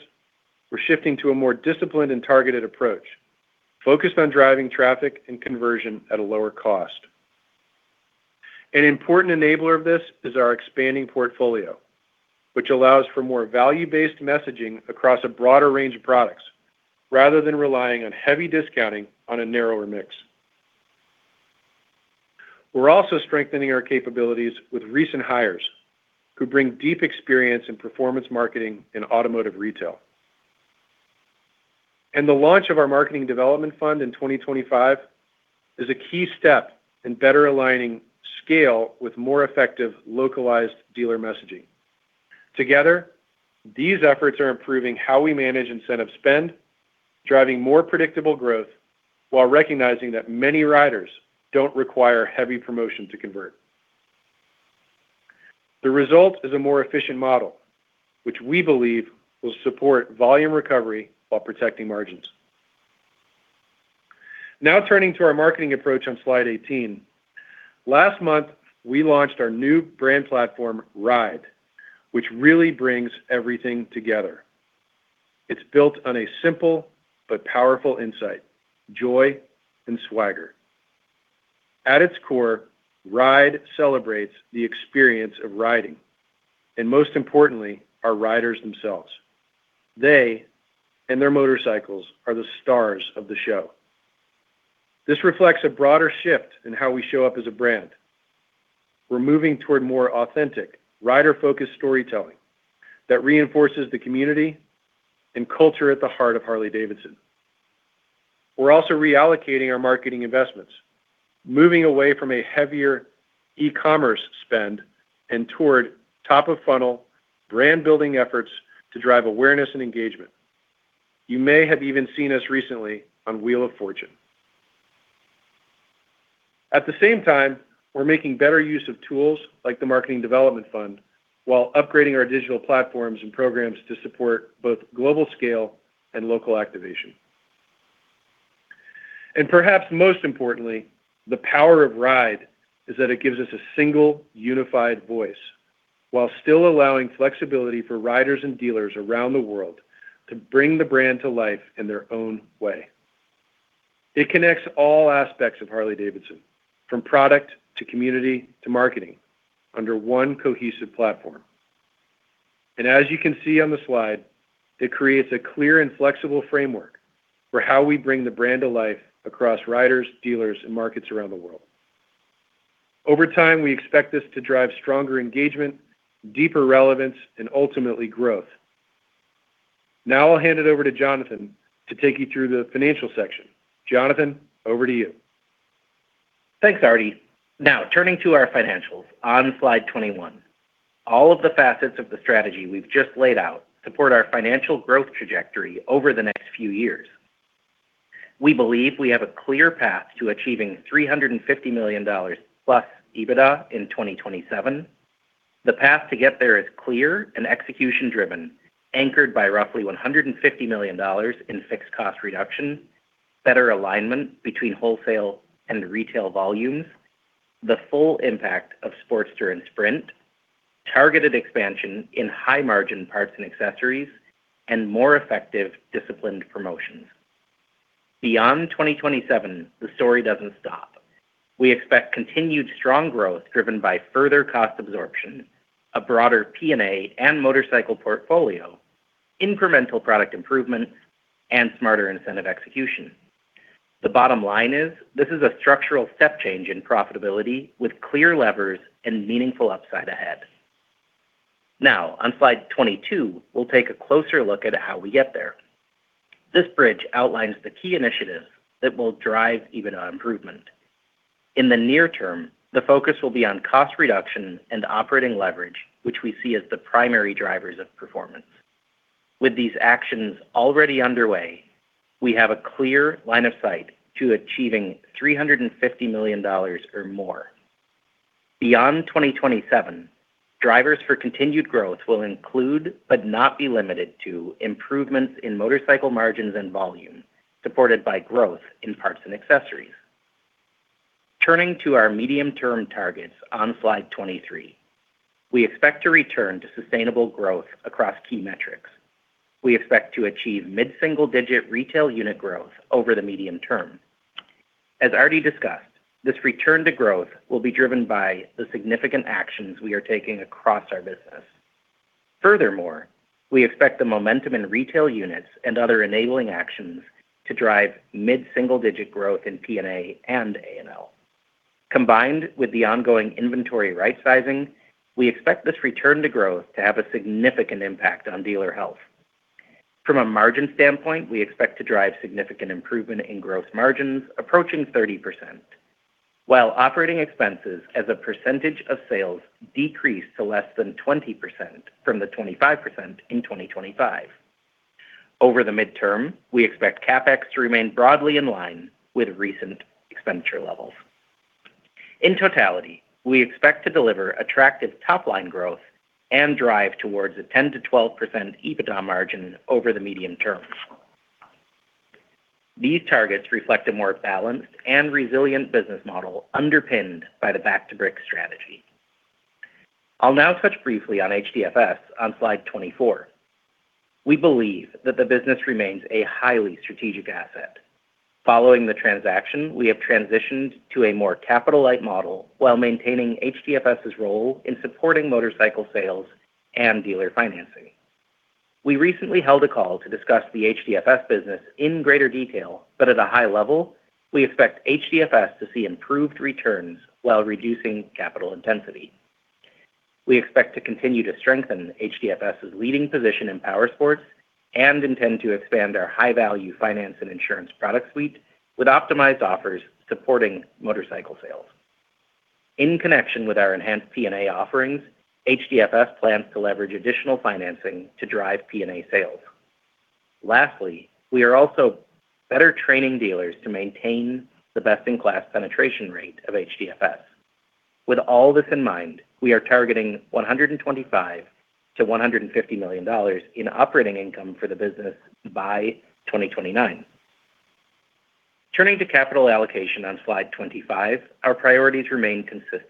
we're shifting to a more disciplined and targeted approach focused on driving traffic and conversion at a lower cost. An important enabler of this is our expanding portfolio, which allows for more value-based messaging across a broader range of products rather than relying on heavy discounting on a narrower mix. Also strengthening our capabilities with recent hires who bring deep experience in performance marketing and automotive retail. The launch of our Marketing Development Fund in 2025 is a key step in better aligning scale with more effective localized dealer messaging. Together, these efforts are improving how we manage incentive spend, driving more predictable growth while recognizing that many riders don't require heavy promotion to convert. The result is a more efficient model, which we believe will support volume recovery while protecting margins. Now turning to our marketing approach on Slide 18. Last month, we launched our new brand platform, RIDE, which really brings everything together. It's built on a simple but powerful insight, joy and swagger. At its core, RIDE celebrates the experience of riding, and most importantly, our riders themselves. They and their motorcycles are the stars of the show. This reflects a broader shift in how we show up as a brand. We're moving toward more authentic, rider-focused storytelling that reinforces the community and culture at the heart of Harley-Davidson. We're also reallocating our marketing investments, moving away from a heavier e-commerce spend and toward top-of-funnel brand-building efforts to drive awareness and engagement. You may have even seen us recently on Wheel of Fortune. At the same time, we're making better use of tools like the Marketing Development Fund while upgrading our digital platforms and programs to support both global scale and local activation. Perhaps most importantly, the power of RIDE is that it gives us a single unified voice while still allowing flexibility for riders and dealers around the world to bring the brand to life in their own way. It connects all aspects of Harley-Davidson, from product to community to marketing, under one cohesive platform. As you can see on the slide, it creates a clear and flexible framework for how we bring the brand to life across riders, dealers, and markets around the world. Over time, we expect this to drive stronger engagement, deeper relevance, and ultimately growth. I'll hand it over to Jonathan to take you through the financial section. Jonathan, over to you. Thanks, Artie. Turning to our financials on Slide 21. All of the facets of the strategy we've just laid out support our financial growth trajectory over the next few years. We believe we have a clear path to achieving $350 million+ EBITDA in 2027. The path to get there is clear and execution-driven, anchored by roughly $150 million in fixed cost reduction, better alignment between wholesale and retail volumes, the full impact of Sportster and Sprint, targeted expansion in high-margin Parts and Accessories, and more effective disciplined promotions. Beyond 2027, the story doesn't stop. We expect continued strong growth driven by further cost absorption, a broader P&A and motorcycle portfolio, incremental product improvement, and smarter incentive execution. The bottom line is this is a structural step change in profitability with clear levers and meaningful upside ahead. Now, on Slide 22, we'll take a closer look at how we get there. This bridge outlines the key initiatives that will drive EBITDA improvement. In the near term, the focus will be on cost reduction and operating leverage, which we see as the primary drivers of performance. With these actions already underway, we have a clear line of sight to achieving $350 million or more. Beyond 2027, drivers for continued growth will include but not be limited to improvements in motorcycle margins and volume, supported by growth in Parts and Accessories. Turning to our medium-term targets on Slide 23, we expect to return to sustainable growth across key metrics. We expect to achieve mid-single-digit retail unit growth over the medium term. As already discussed, this return to growth will be driven by the significant actions we are taking across our business. Furthermore, we expect the momentum in retail units and other enabling actions to drive mid-single-digit growth in P&A and A&L. Combined with the ongoing inventory right sizing, we expect this return to growth to have a significant impact on dealer health. From a margin standpoint, we expect to drive significant improvement in gross margins approaching 30%, while operating expenses as a percentage of sales decrease to less than 20% from the 25% in 2025. Over the midterm, we expect CapEx to remain broadly in line with recent expenditure levels. In totality, we expect to deliver attractive top-line growth and drive towards a 10%-12% EBITDA margin over the medium term. These targets reflect a more balanced and resilient business model underpinned by the Back to the Bricks strategy. I'll now touch briefly on HDFS on Slide 24. We believe that the business remains a highly strategic asset. Following the transaction, we have transitioned to a more capital-light model while maintaining HDFS's role in supporting motorcycle sales and dealer financing. We recently held a call to discuss the HDFS business in greater detail, but at a high level, we expect HDFS to see improved returns while reducing capital intensity. We expect to continue to strengthen HDFS's leading position in powersports and intend to expand our high-value finance and insurance product suite with optimized offers supporting motorcycle sales. In connection with our enhanced P&A offerings, HDFS plans to leverage additional financing to drive P&A sales. Lastly, we are also better training dealers to maintain the best-in-class penetration rate of HDFS. With all this in mind, we are targeting $125 million-$150 million in operating income for the business by 2029. Turning to capital allocation on Slide 25, our priorities remain consistent.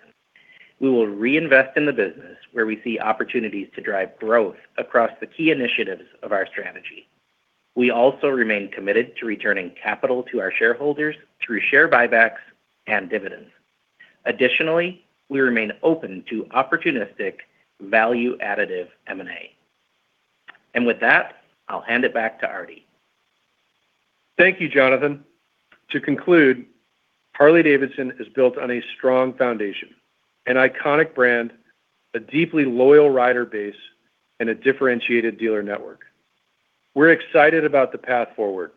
We will reinvest in the business where we see opportunities to drive growth across the key initiatives of our strategy. We also remain committed to returning capital to our shareholders through share buybacks and dividends. Additionally, we remain open to opportunistic value additive M&A. With that, I'll hand it back to Artie. Thank you, Jonathan. To conclude, Harley-Davidson is built on a strong foundation, an iconic brand, a deeply loyal rider base, and a differentiated dealer network. We're excited about the path forward.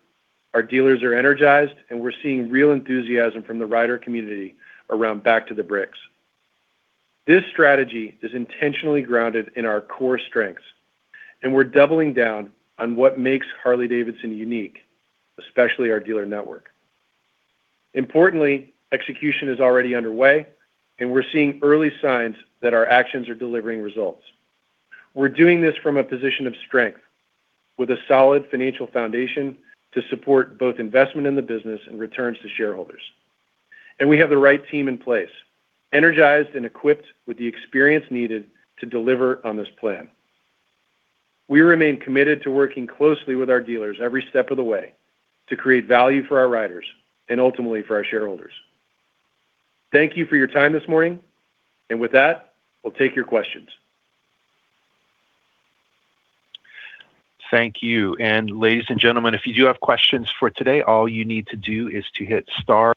Our dealers are energized, and we're seeing real enthusiasm from the rider community around Back to the Bricks. This strategy is intentionally grounded in our core strengths, and we're doubling down on what makes Harley-Davidson unique, especially our dealer network. Importantly, execution is already underway, and we're seeing early signs that our actions are delivering results. We're doing this from a position of strength with a solid financial foundation to support both investment in the business and returns to shareholders. We have the right team in place, energized and equipped with the experience needed to deliver on this plan. We remain committed to working closely with our dealers every step of the way to create value for our riders and ultimately for our shareholders. Thank you for your time this morning. With that, we'll take your questions. Thank you. Ladies and gentlemen, if you do have questions for today, all you need to do is to hit star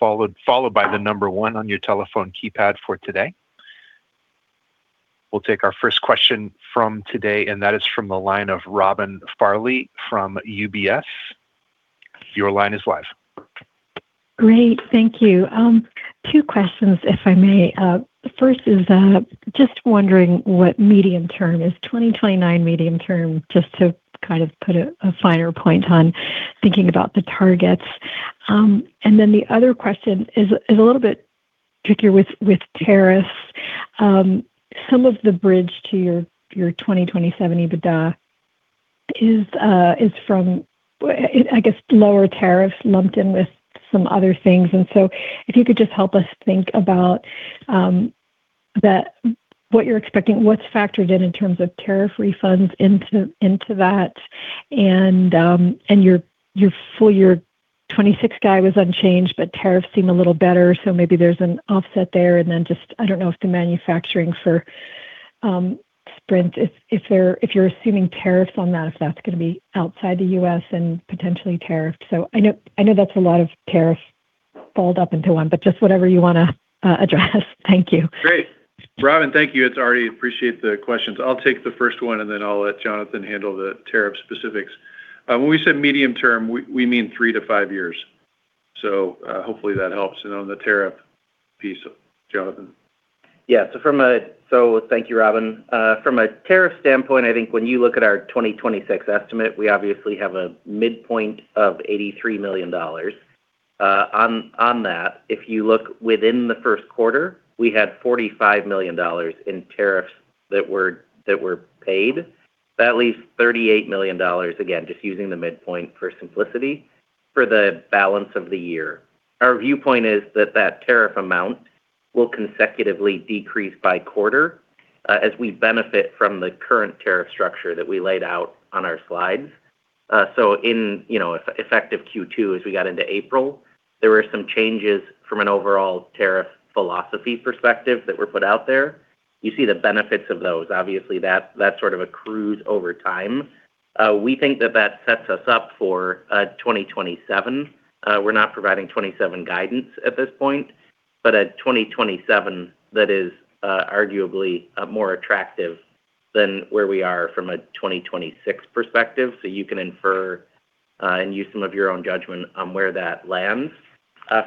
followed by Number one on your telephone keypad for today. We'll take our first question from today, and that is from the line of Robin Farley from UBS. Your line is live. Great. Thank you. Two questions, if I may. The first is just wondering what medium term is. 2029 medium term, just to kind of put a finer point on thinking about the targets. The other question is a little bit trickier with tariffs. Some of the bridge to your 2027 EBITDA is from I guess lower tariffs lumped in with some other things. If you could just help us think about what you're expecting, what's factored in in terms of tariff refunds into that. Your full-year 2026 guide was unchanged, but tariffs seem a little better. Maybe there's an offset there. Just, I don't know if the manufacturing for Sprint, if you're assuming tariffs on that, if that's going to be outside the U.S. and potentially tariffed. I know that's a lot of tariffs balled up into one, but just whatever you want to address. Thank you. Great. Robin, thank you. It's Artie. Appreciate the questions. I'll take the first one, and then I'll let Jonathan Root handle the tariff specifics. When we say medium term, we mean three to five years. Hopefully that helps. On the tariff piece, Jonathan Root. Yeah. Thank you, Robin. From a tariff standpoint, I think when you look at our 2026 estimate, we obviously have a midpoint of $83 million. On that, if you look within the first quarter, we had $45 million in tariffs that were paid. That leaves $38 million, again, just using the midpoint for simplicity, for the balance of the year. Our viewpoint is that tariff amount will consecutively decrease by quarter, as we benefit from the current tariff structure that we laid out on our slides. In, you know, effective Q2, as we got into April, there were some changes from an overall tariff philosophy perspective that were put out there. You see the benefits of those. Obviously, that sort of accrues over time. We think that that sets us up for 2027. We're not providing 2027 guidance at this point, a 2027 that is arguably more attractive than where we are from a 2026 perspective. You can infer and use some of your own judgment on where that lands.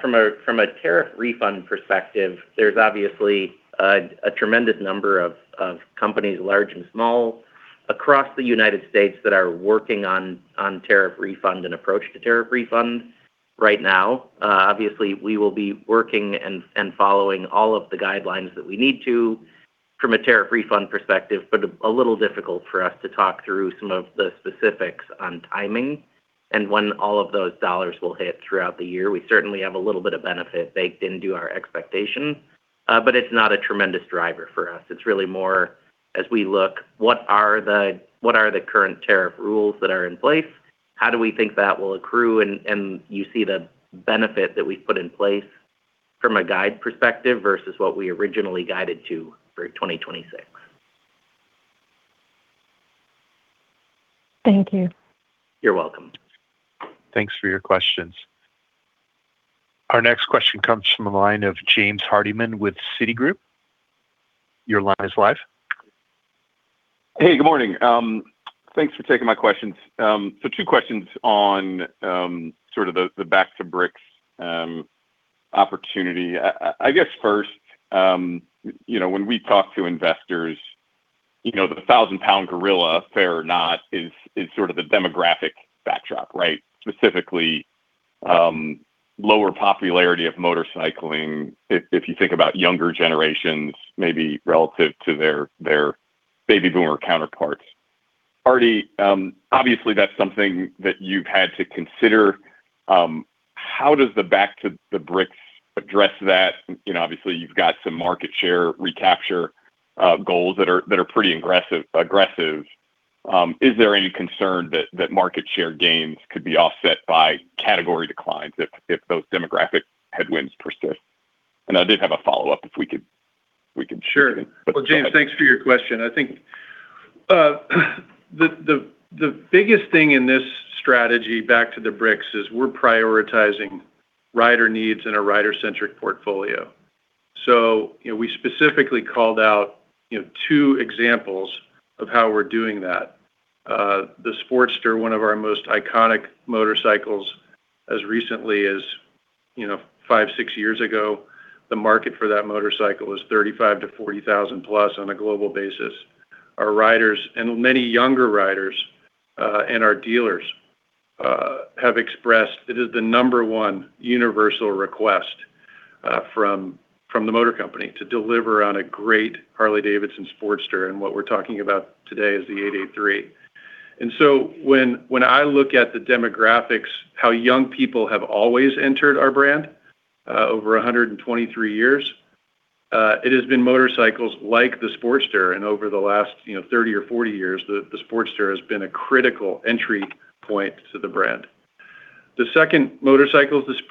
From a tariff refund perspective, there's obviously a tremendous number of companies, large and small, across the United States that are working on tariff refund and approach to tariff refund right now. Obviously, we will be working and following all of the guidelines that we need to from a tariff refund perspective, a little difficult for us to talk through some of the specifics on timing and when all of those dollars will hit throughout the year. We certainly have a little bit of benefit baked into our expectation, but it's not a tremendous driver for us. It's really more as we look, what are the current tariff rules that are in place? How do we think that will accrue? You see the benefit that we've put in place from a guide perspective versus what we originally guided to for 2026. Thank you. You're welcome. Thanks for your questions. Our next question comes from the line of James Hardiman with Citigroup. Your line is live. Hey, good morning. Thanks for taking my questions. Two questions on sort of the Back to the Bricks opportunity. I guess first, you know, when we talk to investors, you know, the 1,000 pound gorilla, fair or not, is sort of the demographic backdrop, right? Specifically, lower popularity of motorcycling if you think about younger generations, maybe relative to their baby boomer counterparts. Artie, obviously, that's something that you've had to consider. How does the Back to the Bricks address that? You know, obviously, you've got some market share recapture goals that are pretty aggressive. Is there any concern that market share gains could be offset by category declines if those demographic headwinds persist? I did have a follow-up, if we could. Sure. Go ahead. Well, James, thanks for your question. I think the biggest thing in this strategy Back to the Bricks is we're prioritizing rider needs in a rider-centric portfolio. You know, we specifically called out, you know, two examples of how we're doing that. The Sportster, one of our most iconic motorcycles as recently as, you know, five, six years ago, the market for that motorcycle was $35,000-$40,000 plus on a global basis. Our riders and many younger riders, and our dealers, have expressed it is the number one universal request from the Motor Company to deliver on a great Harley-Davidson Sportster, and what we're talking about today is the 883. When I look at the demographics, how young people have always entered our brand, over 123 years, it has been motorcycles like the Sportster, over the last, 30 or 40 years, the Sportster has been a critical entry point to the brand. The second motorcycle is the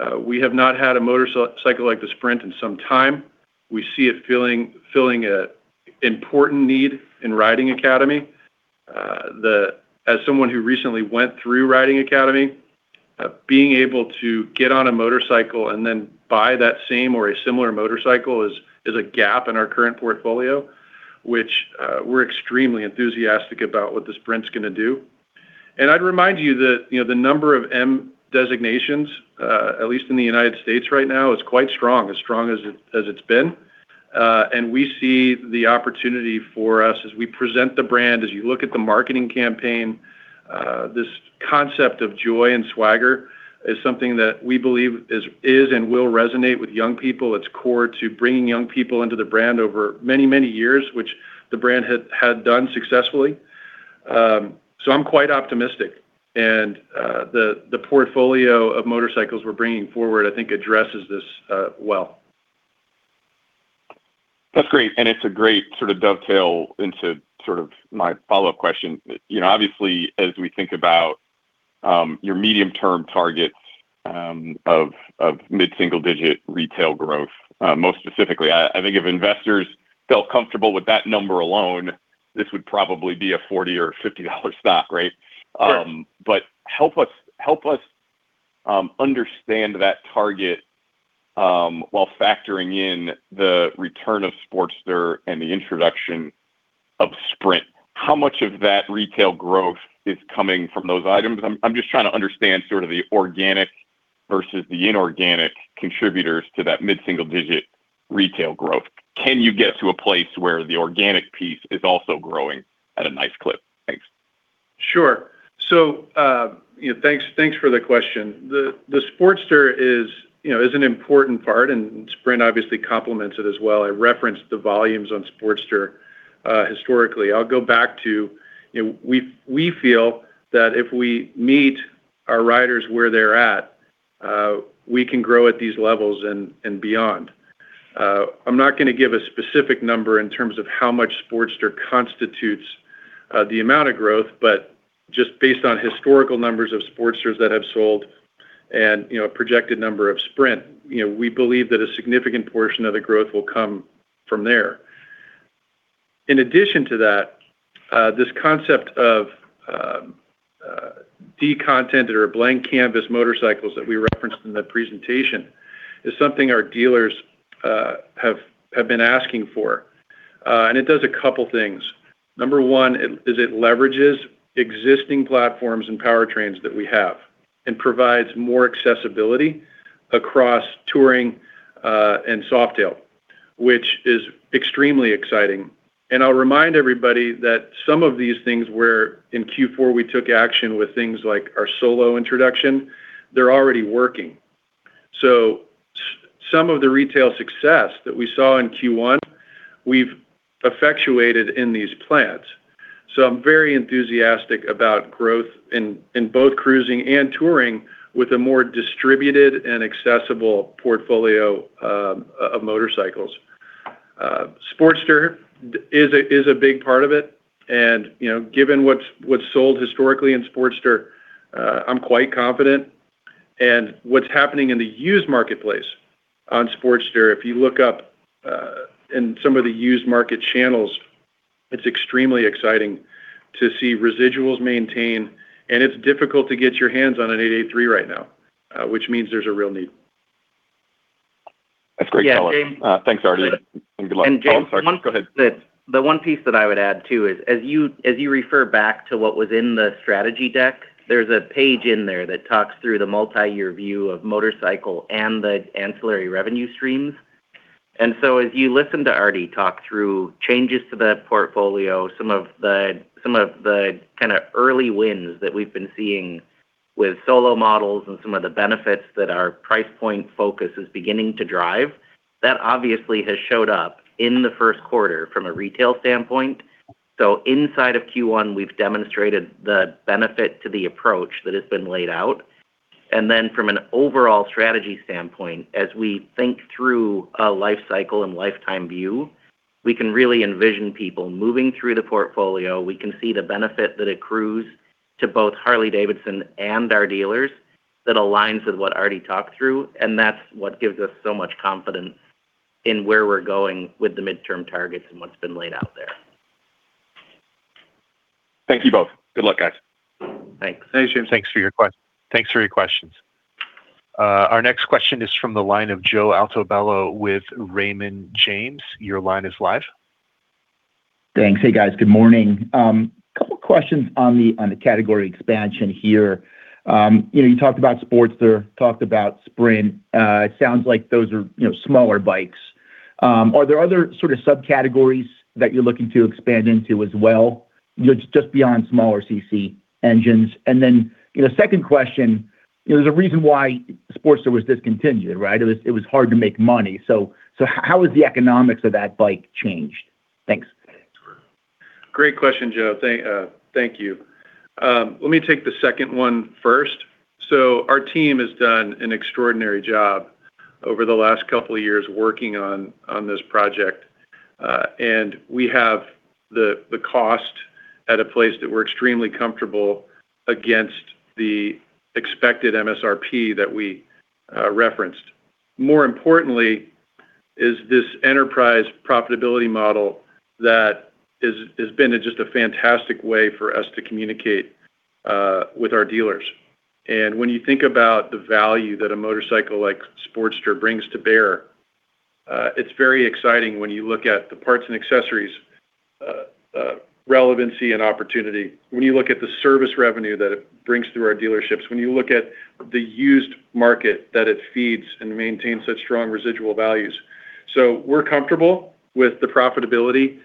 Sprint. We have not had a motorcycle like the Sprint in some time. We see it filling an important need in Riding Academy. As someone who recently went through Riding Academy, being able to get on a motorcycle and then buy that same or a similar motorcycle is a gap in our current portfolio, which we're extremely enthusiastic about what the Sprint's gonna do. I'd remind you that, you know, the number of M designations at least in the U.S. right now, is quite strong, as strong as it's been. We see the opportunity for us as we present the brand, as you look at the marketing campaign, this concept of joy and swagger is something that we believe is and will resonate with young people. It's core to bringing young people into the brand over many, many years, which the brand had done successfully. I'm quite optimistic. The portfolio of motorcycles we're bringing forward I think addresses this well. That's great. It's a great sort of dovetail into sort of my follow-up question. You know, obviously, as we think about your medium-term targets of mid-single digit retail growth, most specifically, I think if investors felt comfortable with that number alone, this would probably be a $40 or $50 stock, right? Sure. Help us understand that target while factoring in the return of Sportster and the introduction of Sprint. How much of that retail growth is coming from those items? I'm just trying to understand sort of the organic versus the inorganic contributors to that mid-single-digit retail growth. Can you get to a place where the organic piece is also growing at a nice clip? Thanks. Sure. You know, thanks for the question. The Sportster is, you know, is an important part, and Sprint obviously complements it as well. I referenced the volumes on Sportster historically. I'll go back to, you know, we feel that if we meet our riders where they're at, we can grow at these levels and beyond. I'm not gonna give a specific number in terms of how much Sportster constitutes the amount of growth, but just based on historical numbers of Sportsters that have sold and, you know, projected number of Sprint, you know, we believe that a significant portion of the growth will come from there. In addition to that, this concept of de-contented or blank canvas motorcycles that we referenced in the presentation is something our dealers have been asking for. It does a couple of things. Number one is it leverages existing platforms and powertrains that we have and provides more accessibility across Touring and Softail, which is extremely exciting. I'll remind everybody that some of these things where in Q4 we took action with things like our Solo introduction, they're already working. Some of the retail success that we saw in Q1, we've effectuated in these plans. I'm very enthusiastic about growth in both cruising and Touring with a more distributed and accessible portfolio of motorcycles. Sportster is a, is a big part of it. You know, given what's sold historically in Sportster, I'm quite confident. What's happening in the used marketplace on Sportster, if you look up in some of the used market channels, it's extremely exciting to see residuals maintain, and it's difficult to get your hands on an 883 right now, which means there's a real need. That's great color. Yeah, James. Thanks, Artie, and good luck. James- Oh, I'm sorry. Go ahead. The one piece that I would add too is, as you refer back to what was in the strategy deck, there's a page in there that talks through the multi-year view of motorcycle and the ancillary revenue streams. As you listen to Artie talk through changes to the portfolio, some of the kind of early wins that we've been seeing with Solo models and some of the benefits that our price point focus is beginning to drive, that obviously has showed up in the first quarter from a retail standpoint. Inside of Q1, we've demonstrated the benefit to the approach that has been laid out. From an overall strategy standpoint, as we think through a life cycle and lifetime view, we can really envision people moving through the portfolio. We can see the benefit that accrues to both Harley-Davidson and our dealers that aligns with what Artie talked through, and that's what gives us so much confidence in where we're going with the midterm targets and what's been laid out there. Thank you both. Good luck, guys. Thanks. Thanks, James. Thanks for your questions. Our next question is from the line of Joseph Altobello with Raymond James. Your line is live. Thanks. Hey, guys. Good morning. Couple questions on the category expansion here. You know, you talked about Sportster, talked about Sprint. It sounds like those are, you know, smaller bikes. Are there other sort of subcategories that you're looking to expand into as well, you know, just beyond smaller CC engines? You know, second question, there's a reason why Sportster was discontinued, right? It was hard to make money. How has the economics of that bike changed? Thanks. Great question, Joe. Thank you. Let me take the second one first. Our team has done an extraordinary job over the last couple of years working on this project. And we have the cost at a place that we're extremely comfortable against the expected MSRP that we referenced. More importantly is this enterprise profitability model that has been just a fantastic way for us to communicate with our dealers. When you think about the value that a motorcycle like Sportster brings to bear, it's very exciting when you look at the parts and accessories relevancy and opportunity. When you look at the service revenue that it brings through our dealerships, when you look at the used market that it feeds and maintains such strong residual values. We're comfortable with the profitability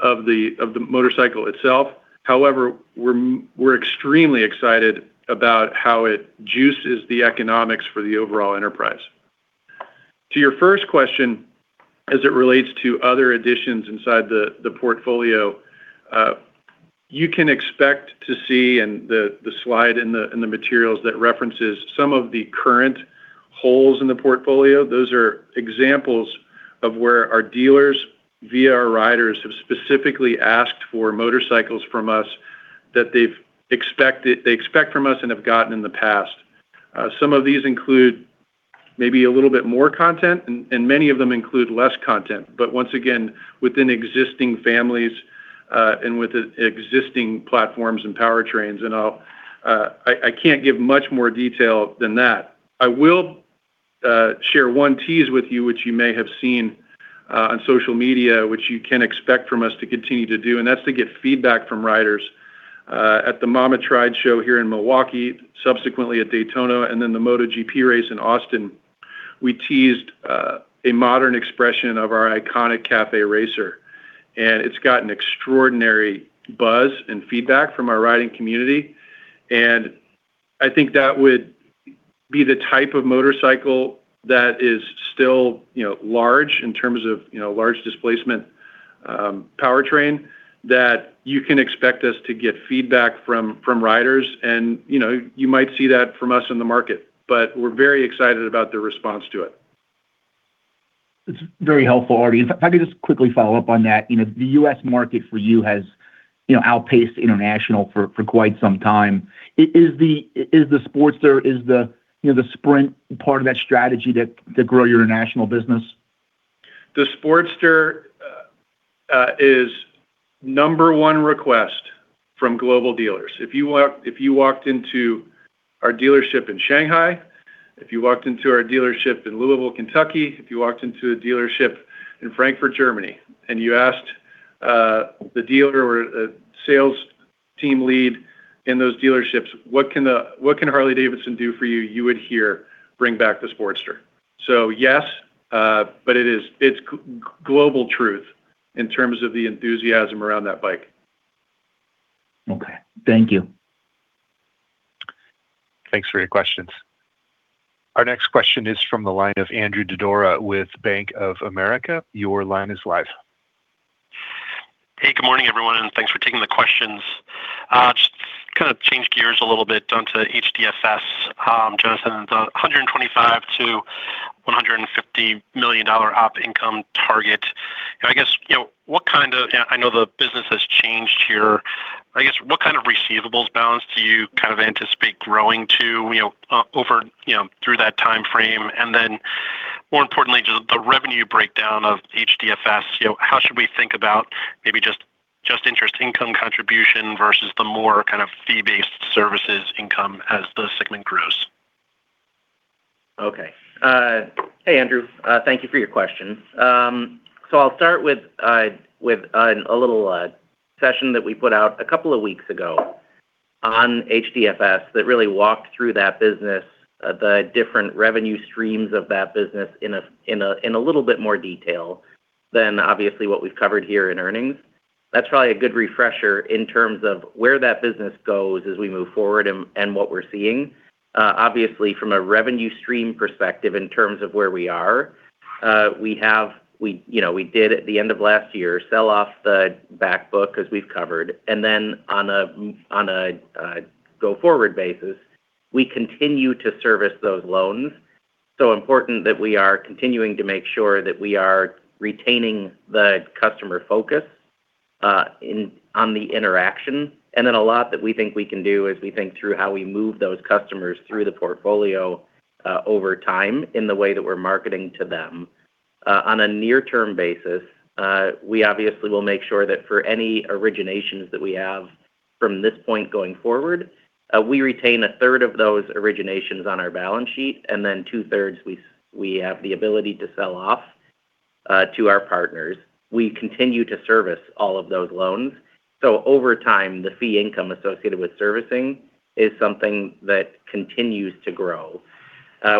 of the motorcycle itself. However, we're extremely excited about how it juices the economics for the overall enterprise. To your first question as it relates to other additions inside the portfolio, you can expect to see, and the slide in the materials that references some of the current holes in the portfolio, those are examples of where our dealers via our riders have specifically asked for motorcycles from us that they expect from us and have gotten in the past. Some of these include maybe a little bit more content and many of them include less content. Once again, within existing families, and with existing platforms and powertrains, and I can't give much more detail than that. I will share one tease with you, which you may have seen on social media, which you can expect from us to continue to do, and that's to get feedback from riders. At the Mama Tried Motorcycle Show here in Milwaukee, subsequently at Daytona, and then the MotoGP race in Austin, we teased a modern expression of our iconic Cafe Racer, and it's gotten extraordinary buzz and feedback from our riding community. I think that would be the type of motorcycle that is still, you know, large in terms of, you know, large displacement powertrain that you can expect us to get feedback from riders and, you know, you might see that from us in the market. We're very excited about the response to it. It's very helpful, Artie. If I could just quickly follow up on that. You know, the U.S. market for you has, you know, outpaced international for quite some time. Is the Sportster, is the, you know, the Sprint part of that strategy to grow your international business? The Sportster is number one request from global dealers. If you walked into our dealership in Shanghai, if you walked into our dealership in Louisville, Kentucky, if you walked into a dealership in Frankfurt, Germany, and you asked the dealer or a sales team lead in those dealerships, what can, what can Harley-Davidson do for you? You would hear, bring back the Sportster. Yes, but it is, it's global truth in terms of the enthusiasm around that bike. Okay. Thank you. Thanks for your questions. Our next question is from the line of Andrew Didora with Bank of America. Your line is live. Hey, good morning, everyone, and thanks for taking the questions. Just kind of change gears a little bit onto HDFS. Jonathan, the $125 million-$150 million op income target. I guess, you know, what kind of I know the business has changed here. I guess, what kind of receivables balance do you kind of anticipate growing to, you know, over, you know, through that timeframe? Then more importantly, just the revenue breakdown of HDFS. You know, how should we think about maybe just interest income contribution versus the more kind of fee-based services income as the segment grows? Okay. Hey, Andrew. Thank you for your question. I'll start with a little session that we put out a couple of weeks ago. On HDFS that really walked through that business, the different revenue streams of that business in a little bit more detail than obviously what we've covered here in earnings. That's probably a good refresher in terms of where that business goes as we move forward and what we're seeing. Obviously from a revenue stream perspective in terms of where we are, you know, we did at the end of last year sell off the back book as we've covered. Then on a go-forward basis, we continue to service those loans. Important that we are continuing to make sure that we are retaining the customer focus, in, on the interaction. A lot that we think we can do as we think through how we move those customers through the portfolio, over time in the way that we're marketing to them. On a near-term basis, we obviously will make sure that for any originations that we have from this point going forward, we retain a third of those originations on our balance sheet, and then two-thirds we have the ability to sell off to our partners. We continue to service all of those loans. Over time, the fee income associated with servicing is something that continues to grow.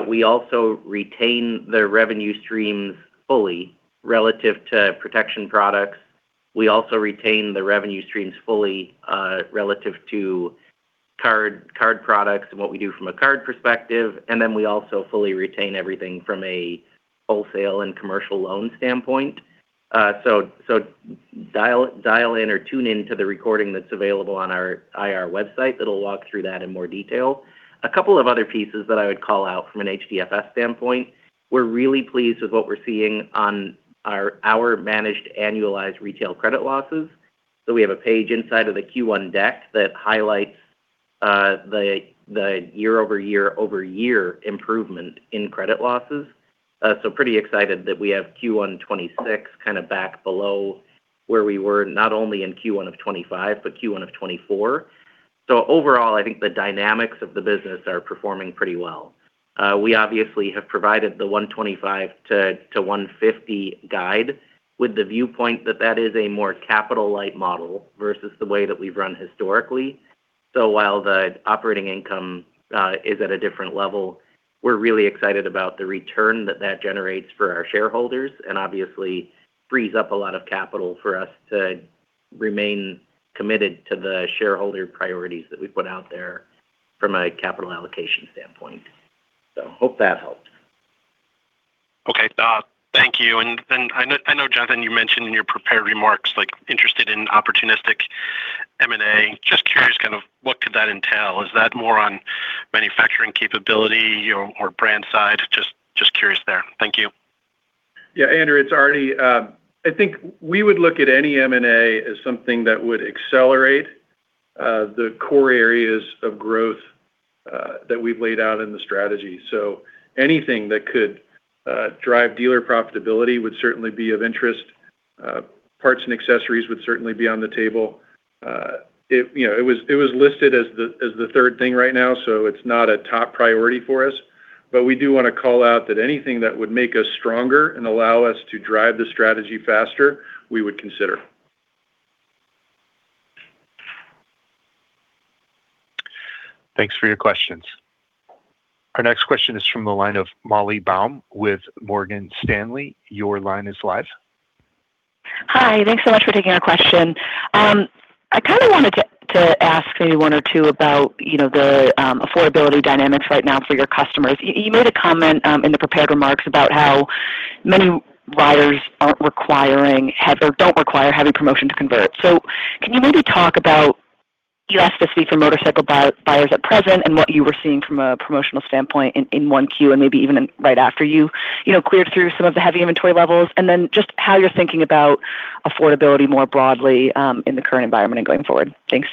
We also retain the revenue streams fully relative to protection products. We also retain the revenue streams fully, relative to card products and what we do from a card perspective. We also fully retain everything from a wholesale and commercial loan standpoint. Dial in or tune in to the recording that's available on our IR website that'll walk through that in more detail. A couple of other pieces that I would call out from an HDFS standpoint, we're really pleased with what we're seeing on our managed annualized retail credit losses. We have a page inside of the Q1 deck that highlights the year-over-year-over-year improvement in credit losses. Pretty excited that we have Q1 2026 kind of back below where we were not only in Q1 of 2025, but Q1 of 2024. Overall, I think the dynamics of the business are performing pretty well. We obviously have provided the $125-$150 guide with the viewpoint that that is a more capital-light model versus the way that we've run historically. While the operating income is at a different level, we're really excited about the return that that generates for our shareholders and obviously frees up a lot of capital for us to remain committed to the shareholder priorities that we put out there from a capital allocation standpoint. Hope that helped. Okay. Thank you. I know, Jonathan, you mentioned in your prepared remarks, like, interested in opportunistic M&A. Just curious kind of what could that entail? Is that more on manufacturing capability or brand side? Just curious there. Thank you. Andrew, it's Artie. I think we would look at any M&A as something that would accelerate the core areas of growth that we've laid out in the strategy. Anything that could drive dealer profitability would certainly be of interest. Parts and accessories would certainly be on the table. It, you know, it was listed as the third thing right now, so it's not a top priority for us. We do want to call out that anything that would make us stronger and allow us to drive the strategy faster, we would consider. Thanks for your questions. Our next question is from the line of Molly Baum with Morgan Stanley. Your line is live. Hi. Thanks so much for taking our question. I kind of wanted to ask maybe one or two about, you know, the affordability dynamics right now for your customers. You made a comment in the prepared remarks about how many buyers aren't requiring heavy or don't require heavy promotion to convert. Can you maybe talk about elasticity for motorcycle buyers at present and what you were seeing from a promotional standpoint in 1Q and maybe even in right after you know, cleared through some of the heavy inventory levels? Just how you're thinking about affordability more broadly in the current environment and going forward. Thanks.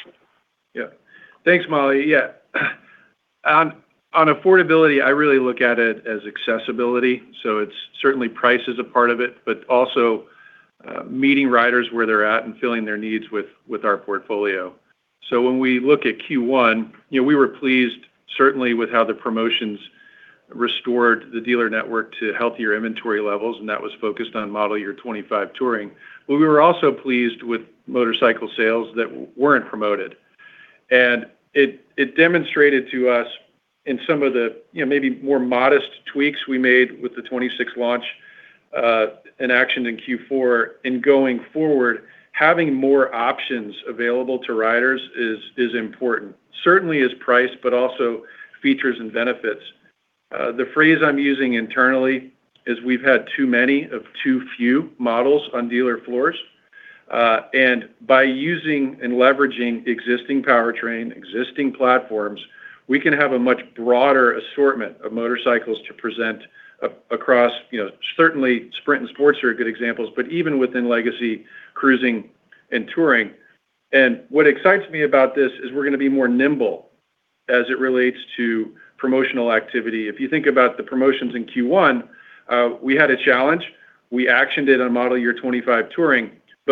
Thanks, Molly. On affordability, I really look at it as accessibility, so it's certainly price is a part of it, but also meeting riders where they're at and filling their needs with our portfolio. When we look at Q1, you know, we were pleased certainly with how the promotions restored the dealer network to healthier inventory levels, and that was focused on model year 2025 Touring. We were also pleased with motorcycle sales that weren't promoted. It demonstrated to us in some of the, you know, maybe more modest tweaks we made with the 2026 launch in action in Q4 and going forward, having more options available to riders is important. Certainly is price, but also features and benefits. The phrase I'm using internally is we've had too many of too few models on dealer floors. And by using and leveraging existing powertrain, existing platforms, we can have a much broader assortment of motorcycles to present across, you know, certainly Sprint and Sportster are good examples, but even within legacy cruising and Touring. What excites me about this is we're gonna be more nimble as it relates to promotional activity. If you think about the promotions in Q1, we had a challenge. We actioned it on model year 2025 Touring.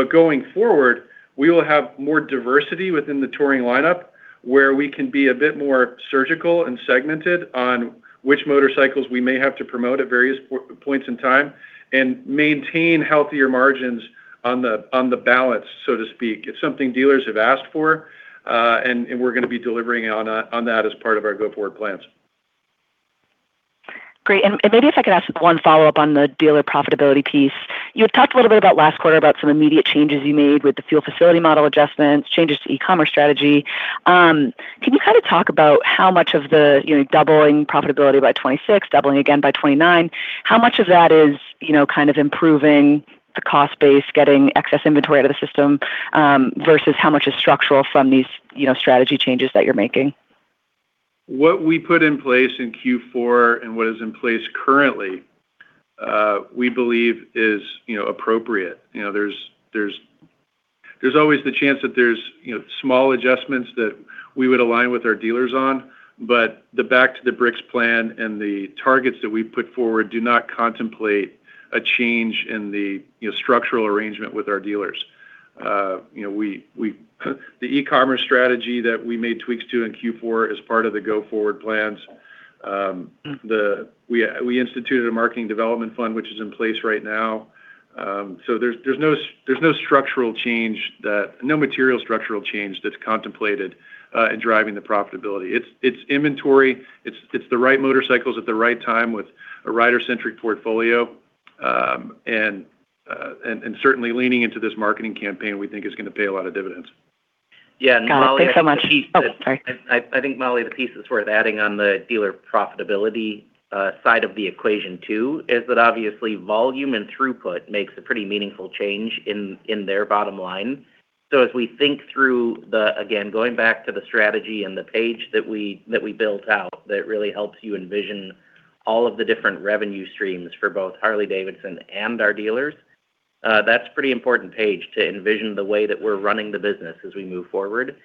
Going forward, we will have more diversity within the Touring lineup where we can be a bit more surgical and segmented on which motorcycles we may have to promote at various points in time and maintain healthier margins on the, on the balance, so to speak. It's something dealers have asked for, and we're gonna be delivering on that as part of our go-forward plans. Great. Maybe if I could ask one follow-up on the dealer profitability piece. You had talked a little bit about last quarter about some immediate changes you made with the fuel facility model adjustments, changes to e-commerce strategy. Can you kind of talk about how much of the, you know, doubling profitability by 2026, doubling again by 2029, how much of that is, you know, kind of improving the cost base, getting excess inventory out of the system, versus how much is structural from these, you know, strategy changes that you're making? What we put in place in Q4 and what is in place currently, we believe is, you know, appropriate. You know, there's always the chance that there's, you know, small adjustments that we would align with our dealers on, but the Back to the Bricks plan and the targets that we've put forward do not contemplate a change in the, you know, structural arrangement with our dealers. You know, the e-commerce strategy that we made tweaks to in Q4 is part of the go-forward plans. We instituted a Marketing Development Fund which is in place right now. There's no structural change, no material structural change that's contemplated in driving the profitability. It's inventory, it's the right motorcycles at the right time with a rider-centric portfolio. Certainly leaning into this marketing campaign we think is going to pay a lot of dividends. Got it. Thanks so much. Yeah, Molly, I think the piece. Oh, sorry. I think, Molly, the piece that's worth adding on the dealer profitability side of the equation too, is that obviously volume and throughput makes a pretty meaningful change in their bottom line. As we think through again, going back to the strategy and the page that we built out that really helps you envision all of the different revenue streams for both Harley-Davidson and our dealers, that's a pretty important page to envision the way that we're running the business as we move forward.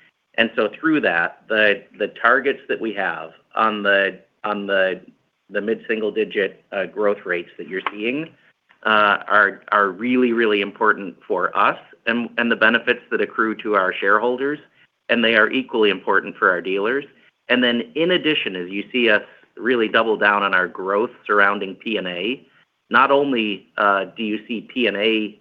Through that, the targets that we have on the mid-single-digit growth rates that you're seeing are really important for us and the benefits that accrue to our shareholders, and they are equally important for our dealers. In addition, as you see us really double down on our growth surrounding P&A, not only do you see P&A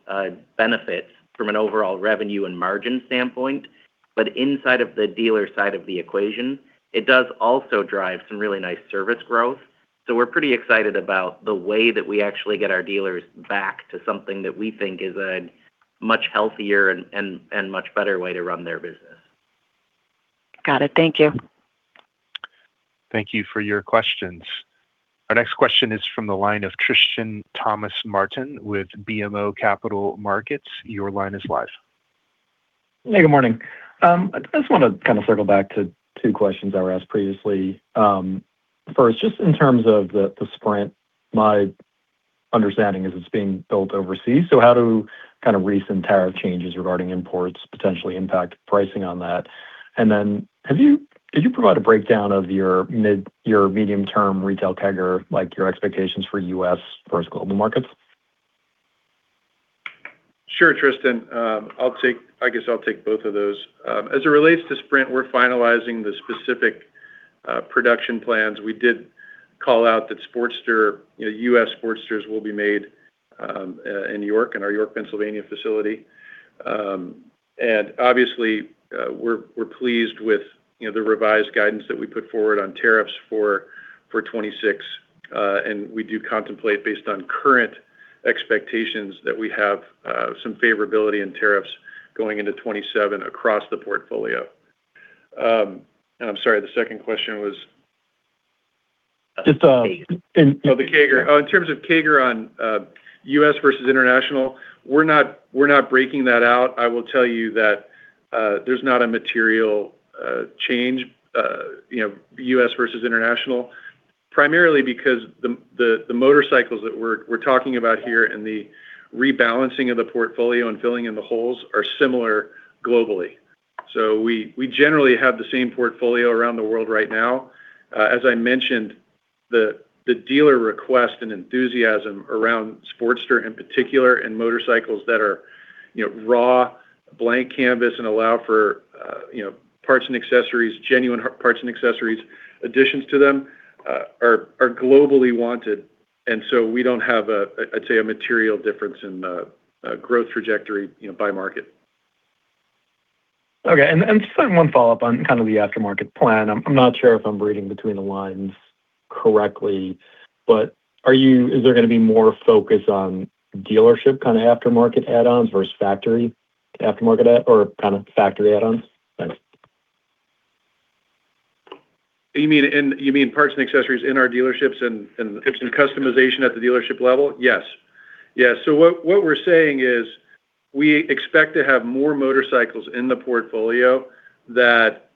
benefits from an overall revenue and margin standpoint, but inside of the dealer side of the equation, it does also drive some really nice service growth. We're pretty excited about the way that we actually get our dealers back to something that we think is a much healthier and much better way to run their business. Got it. Thank you. Thank you for your questions. Our next question is from the line of Tristan Thomas-Martin with BMO Capital Markets. Your line is live. Hey, good morning. I just want to kind of circle back to two questions that were asked previously. First, just in terms of the Sprint, my understanding is it's being built overseas, so how do kind of recent tariff changes regarding imports potentially impact pricing on that? Could you provide a breakdown of your medium-term retail CAGR, like your expectations for U.S. versus global markets? Sure, Tristan. I guess I'll take both of those. As it relates to Sprint, we're finalizing the specific production plans. We did call out that Sportster, you know, U.S. Sportsters will be made in York, in our York, Pennsylvania facility. Obviously, we're pleased with, you know, the revised guidance that we put forward on tariffs for 2026. We do contemplate based on current expectations that we have some favorability in tariffs going into 2027 across the portfolio. I'm sorry, the second question was? Just The CAGR. In terms of CAGR on U.S. versus international, we're not breaking that out. I will tell you that there's not a material change, you know, U.S. versus international, primarily because the motorcycles that we're talking about here and the rebalancing of the portfolio and filling in the holes are similar globally. We generally have the same portfolio around the world right now. As I mentioned, the dealer request and enthusiasm around Sportster in particular and motorcycles that are, you know, raw, blank canvas and allow for, you know, parts and accessories, genuine parts and accessories, additions to them, are globally wanted. We don't have a, I'd say, a material difference in the growth trajectory, you know, by market. Okay. Just one follow-up on kind of the aftermarket plan. I'm not sure if I'm reading between the lines correctly, but is there gonna be more focus on dealership kinda aftermarket add-ons versus factory aftermarket add or kinda factory add-ons? Thanks. You mean in, you mean parts and accessories in our dealerships and it's in customization at the dealership level? Yes. What we're saying is we expect to have more motorcycles in the portfolio that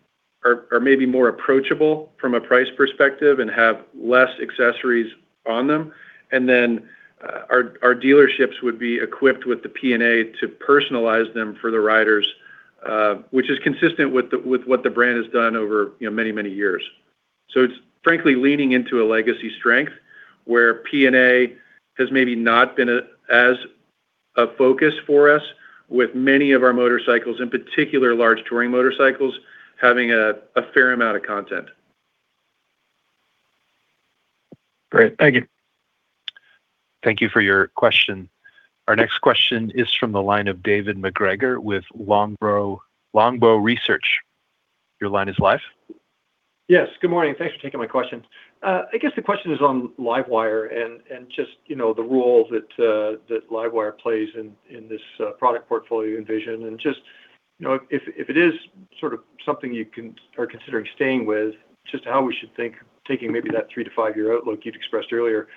are maybe more approachable from a price perspective and have less accessories on them. Our dealerships would be equipped with the P&A to personalize them for the riders, which is consistent with what the brand has done over, you know, many, many years. It's frankly leaning into a legacy strength where P&A has maybe not been as a focus for us with many of our motorcycles, in particular large Touring motorcycles, having a fair amount of content. Great. Thank you. Thank you for your question. Our next question is from the line of David MacGregor with Longbow Research. Your line is live. Yes. Good morning. Thanks for taking my question. I guess the question is on LiveWire and just, you know, the role that LiveWire plays in this product portfolio envision. Just, you know, if it is sort of something you are considering staying with, just how we should think taking maybe that three to five-year outlook you'd expressed earlier,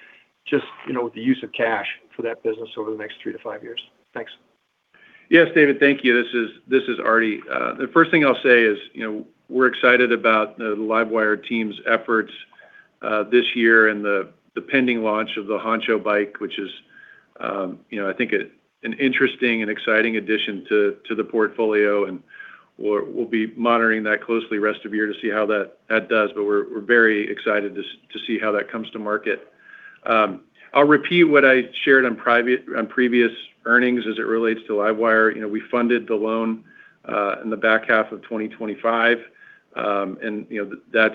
just, you know, with the use of cash for that business over the next three to five years. Thanks. Yes, David. Thank you. This is Artie. The first thing I'll say is, you know, we're excited about the LiveWire team's efforts this year and the pending launch of the Honcho bike, which is, you know, I think an interesting and exciting addition to the portfolio, and we'll be monitoring that closely rest of the year to see how that does. We're very excited to see how that comes to market. I'll repeat what I shared on previous earnings as it relates to LiveWire. You know, we funded the loan in the back half of 2025. You know,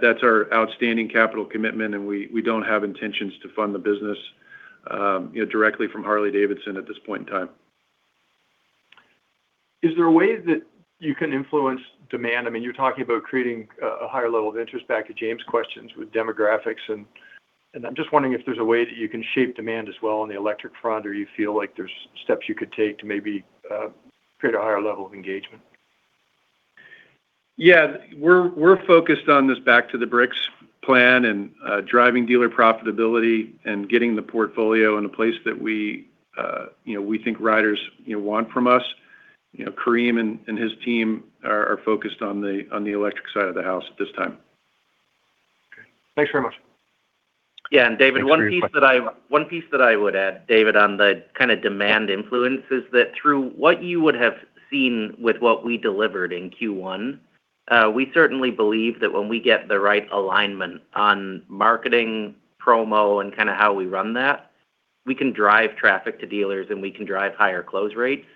that's our outstanding capital commitment, and we don't have intentions to fund the business, you know, directly from Harley-Davidson at this point in time. Is there a way that you can influence demand? I mean, you're talking about creating a higher level of interest back to James' questions with demographics, and I'm just wondering if there's a way that you can shape demand as well in the electric front, or you feel like there's steps you could take to maybe create a higher level of engagement. Yeah. We're focused on this Back to the Bricks plan and driving dealer profitability and getting the portfolio in a place that we, you know, we think riders, you know, want from us. Karim and his team are focused on the electric side of the house at this time. Okay. Thanks very much. Thanks for your question. Yeah. David, one piece that I would add, David, on the kind of demand influence is that through what you would have seen with what we delivered in Q1, we certainly believe that when we get the right alignment on marketing promo and kind of how we run that, we can drive traffic to dealers, and we can drive higher close rates.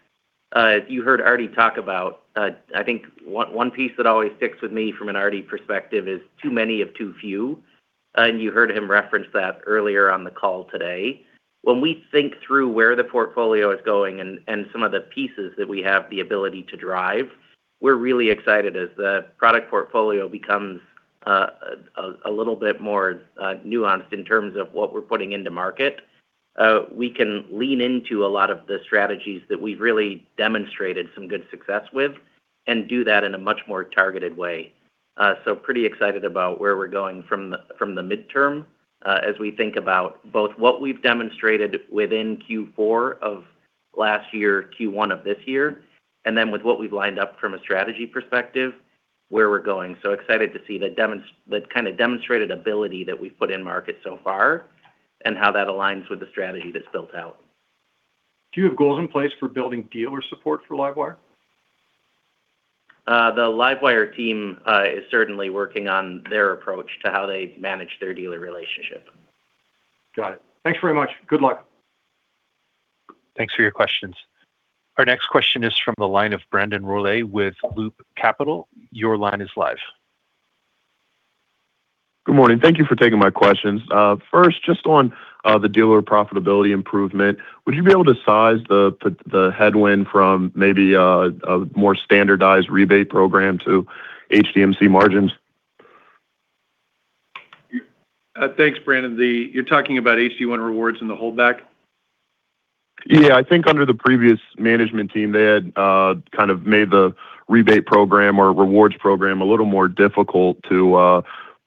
You heard Artie talk about, I think one piece that always sticks with me from an Artie perspective is too many of too few, you heard him reference that earlier on the call today. When we think through where the portfolio is going and some of the pieces that we have the ability to drive, we're really excited as the product portfolio becomes a little bit more nuanced in terms of what we're putting into market. We can lean into a lot of the strategies that we've really demonstrated some good success with and do that in a much more targeted way. Pretty excited about where we're going from the midterm as we think about both what we've demonstrated within Q4 of last year, Q1 of this year, and then with what we've lined up from a strategy perspective, where we're going. Excited to see the kind of demonstrated ability that we've put in market so far and how that aligns with the strategy that's built out. Do you have goals in place for building dealer support for LiveWire? The LiveWire team is certainly working on their approach to how they manage their dealer relationship. Got it. Thanks very much. Good luck. Thanks for your questions. Our next question is from the line of Brandon Rolle with Loop Capital. Your line is live. Good morning. Thank you for taking my questions. First, just on, the dealer profitability improvement, would you be able to size the headwind from maybe a more standardized rebate program to HDMC margins? Thanks, Brandon Rolle. You're talking about H-D Membership and the holdback? Yeah. I think under the previous management team, they had kind of made the rebate program or rewards program a little more difficult to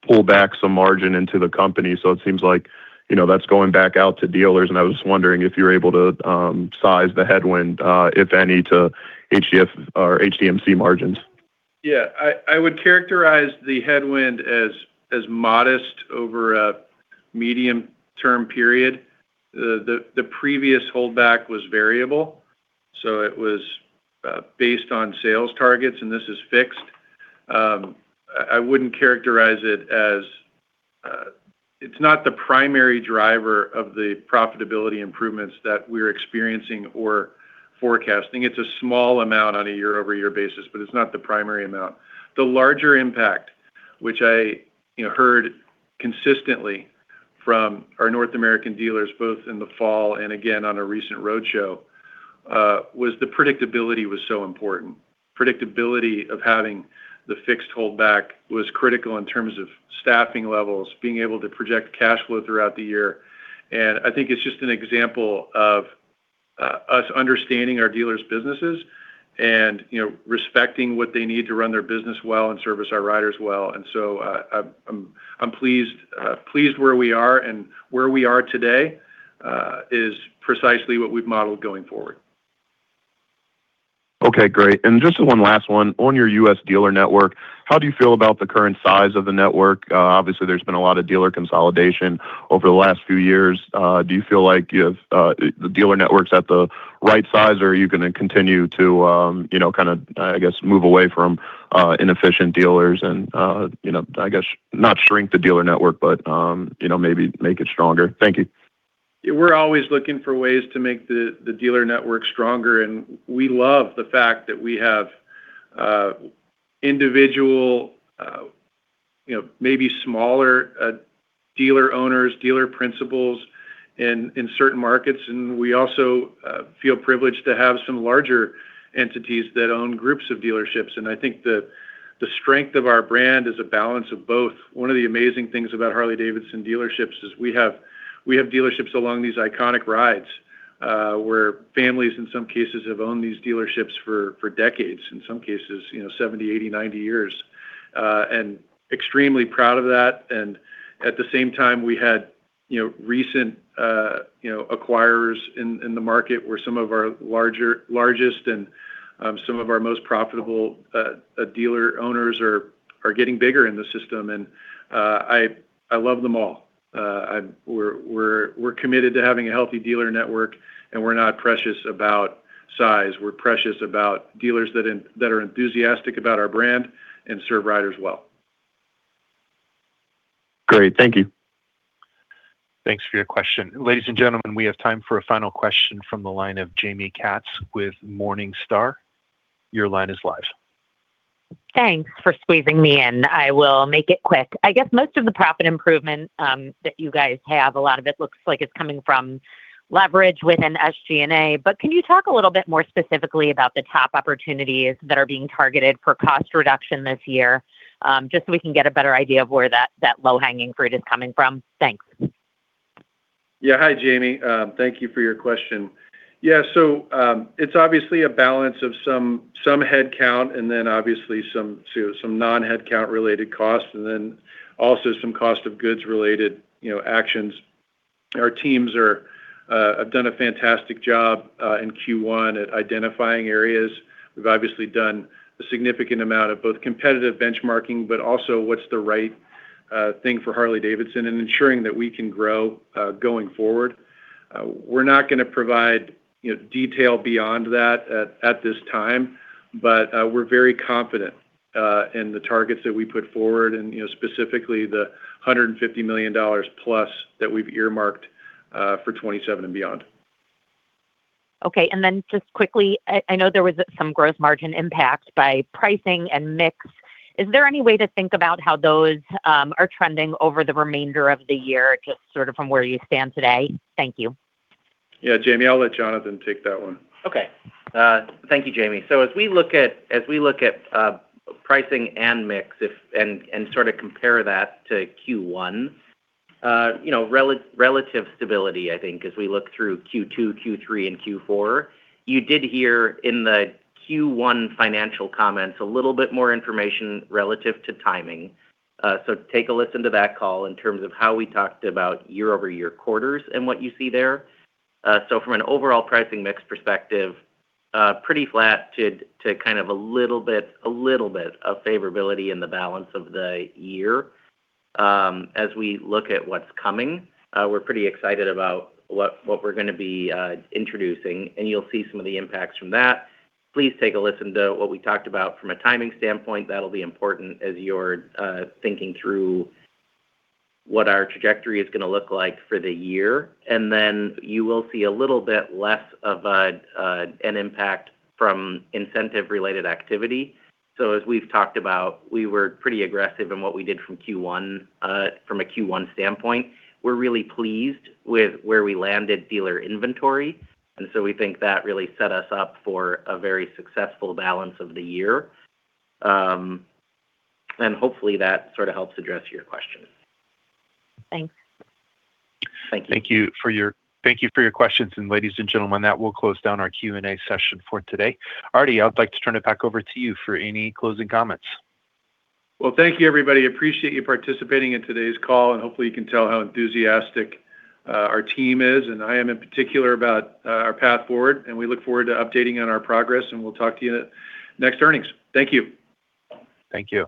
pull back some margin into the company. It seems like, you know, that's going back out to dealers, and I was just wondering if you're able to size the headwind, if any, to HDFS or HDMC margins. Yeah. I would characterize the headwind as modest over a medium-term period. The, the previous holdback was variable, so it was based on sales targets, and this is fixed. I wouldn't characterize it as, it's not the primary driver of the profitability improvements that we're experiencing or forecasting. It's a small amount on a year-over-year basis, but it's not the primary amount. The larger impact, which I, you know, heard consistently from our North American dealers both in the fall and again on a recent roadshow, was the predictability was so important. Predictability of having the fixed holdback was critical in terms of staffing levels, being able to project cash flow throughout the year, and I think it's just an example of us understanding our dealers' businesses and, you know, respecting what they need to run their business well and service our riders well. I'm pleased where we are, and where we are today, is precisely what we've modeled going forward. Okay, great. Just one last one. On your U.S. dealer network, how do you feel about the current size of the network? Obviously, there's been a lot of dealer consolidation over the last few years. Do you feel like you have the dealer network's at the right size, or are you going to continue to, you know, kind of, I guess, move away from inefficient dealers and, you know, I guess not shrink the dealer network, but, you know, maybe make it stronger? Thank you. We're always looking for ways to make the dealer network stronger, and we love the fact that we have individual, you know, maybe smaller dealer owners, dealer principals in certain markets. We also feel privileged to have some larger entities that own groups of dealerships. I think the strength of our brand is a balance of both. One of the amazing things about Harley-Davidson dealerships is we have dealerships along these iconic rides, where families in some cases have owned these dealerships for decades, in some cases, you know, 70, 80, 90 years. We are extremely proud of that. At the same time we had, you know, recent, you know, acquirers in the market where some of our largest and some of our most profitable dealer owners are getting bigger in the system. I love them all. We're committed to having a healthy dealer network. We're not precious about size. We're precious about dealers that are enthusiastic about our brand and serve riders well. Great. Thank you. Thanks for your question. Ladies and gentlemen, we have time for a final question from the line of Jaime M. Katz with Morningstar. Your line is live. Thanks for squeezing me in. I will make it quick. I guess most of the profit improvement that you guys have, a lot of it looks like it's coming from leverage within SG&A. Can you talk a little bit more specifically about the top opportunities that are being targeted for cost reduction this year? Just so we can get a better idea of where that low-hanging fruit is coming from. Thanks Hi, Jaime. Thank you for your question. It's obviously a balance of some headcount and then obviously some non-headcount related costs, and then also some cost of goods related, you know, actions. Our teams have done a fantastic job in Q1 at identifying areas. We've obviously done a significant amount of both competitive benchmarking, but also what's the right thing for Harley-Davidson and ensuring that we can grow going forward. We're not gonna provide, you know, detail beyond that at this time, but we're very confident in the targets that we put forward and, you know, specifically the $150 million+ that we've earmarked for 2027 and beyond. Okay. Just quickly, I know there was some gross margin impact by pricing and mix. Is there any way to think about how those are trending over the remainder of the year, just sort of from where you stand today? Thank you. Yeah. Jaime, I'll let Jonathan take that one. Okay. Thank you, Jaime. As we look at pricing and mix, if and sort of compare that to Q1, you know, relative stability, I think, as we look through Q2, Q3, and Q4. You did hear in the Q1 financial comments a little bit more information relative to timing. Take a listen to that call in terms of how we talked about year-over-year quarters and what you see there. From an overall pricing mix perspective, pretty flat to kind of a little bit of favorability in the balance of the year. As we look at what's coming, we're pretty excited about what we're gonna be introducing, and you'll see some of the impacts from that. Please take a listen to what we talked about from a timing standpoint. That'll be important as you're thinking through what our trajectory is gonna look like for the year. Then you will see a little bit less of an impact from incentive-related activity. As we've talked about, we were pretty aggressive in what we did from Q1, from a Q1 standpoint. We're really pleased with where we landed dealer inventory, we think that really set us up for a very successful balance of the year. Hopefully that sort of helps address your question. Thanks. Thank you. Thank you for your questions. Ladies and gentlemen, that will close down our Q&A session for today. Artie, I would like to turn it back over to you for any closing comments. Well, thank you everybody. Appreciate you participating in today's call, and hopefully you can tell how enthusiastic our team is, and I am in particular about our path forward. We look forward to updating on our progress, and we'll talk to you next earnings. Thank you. Thank you.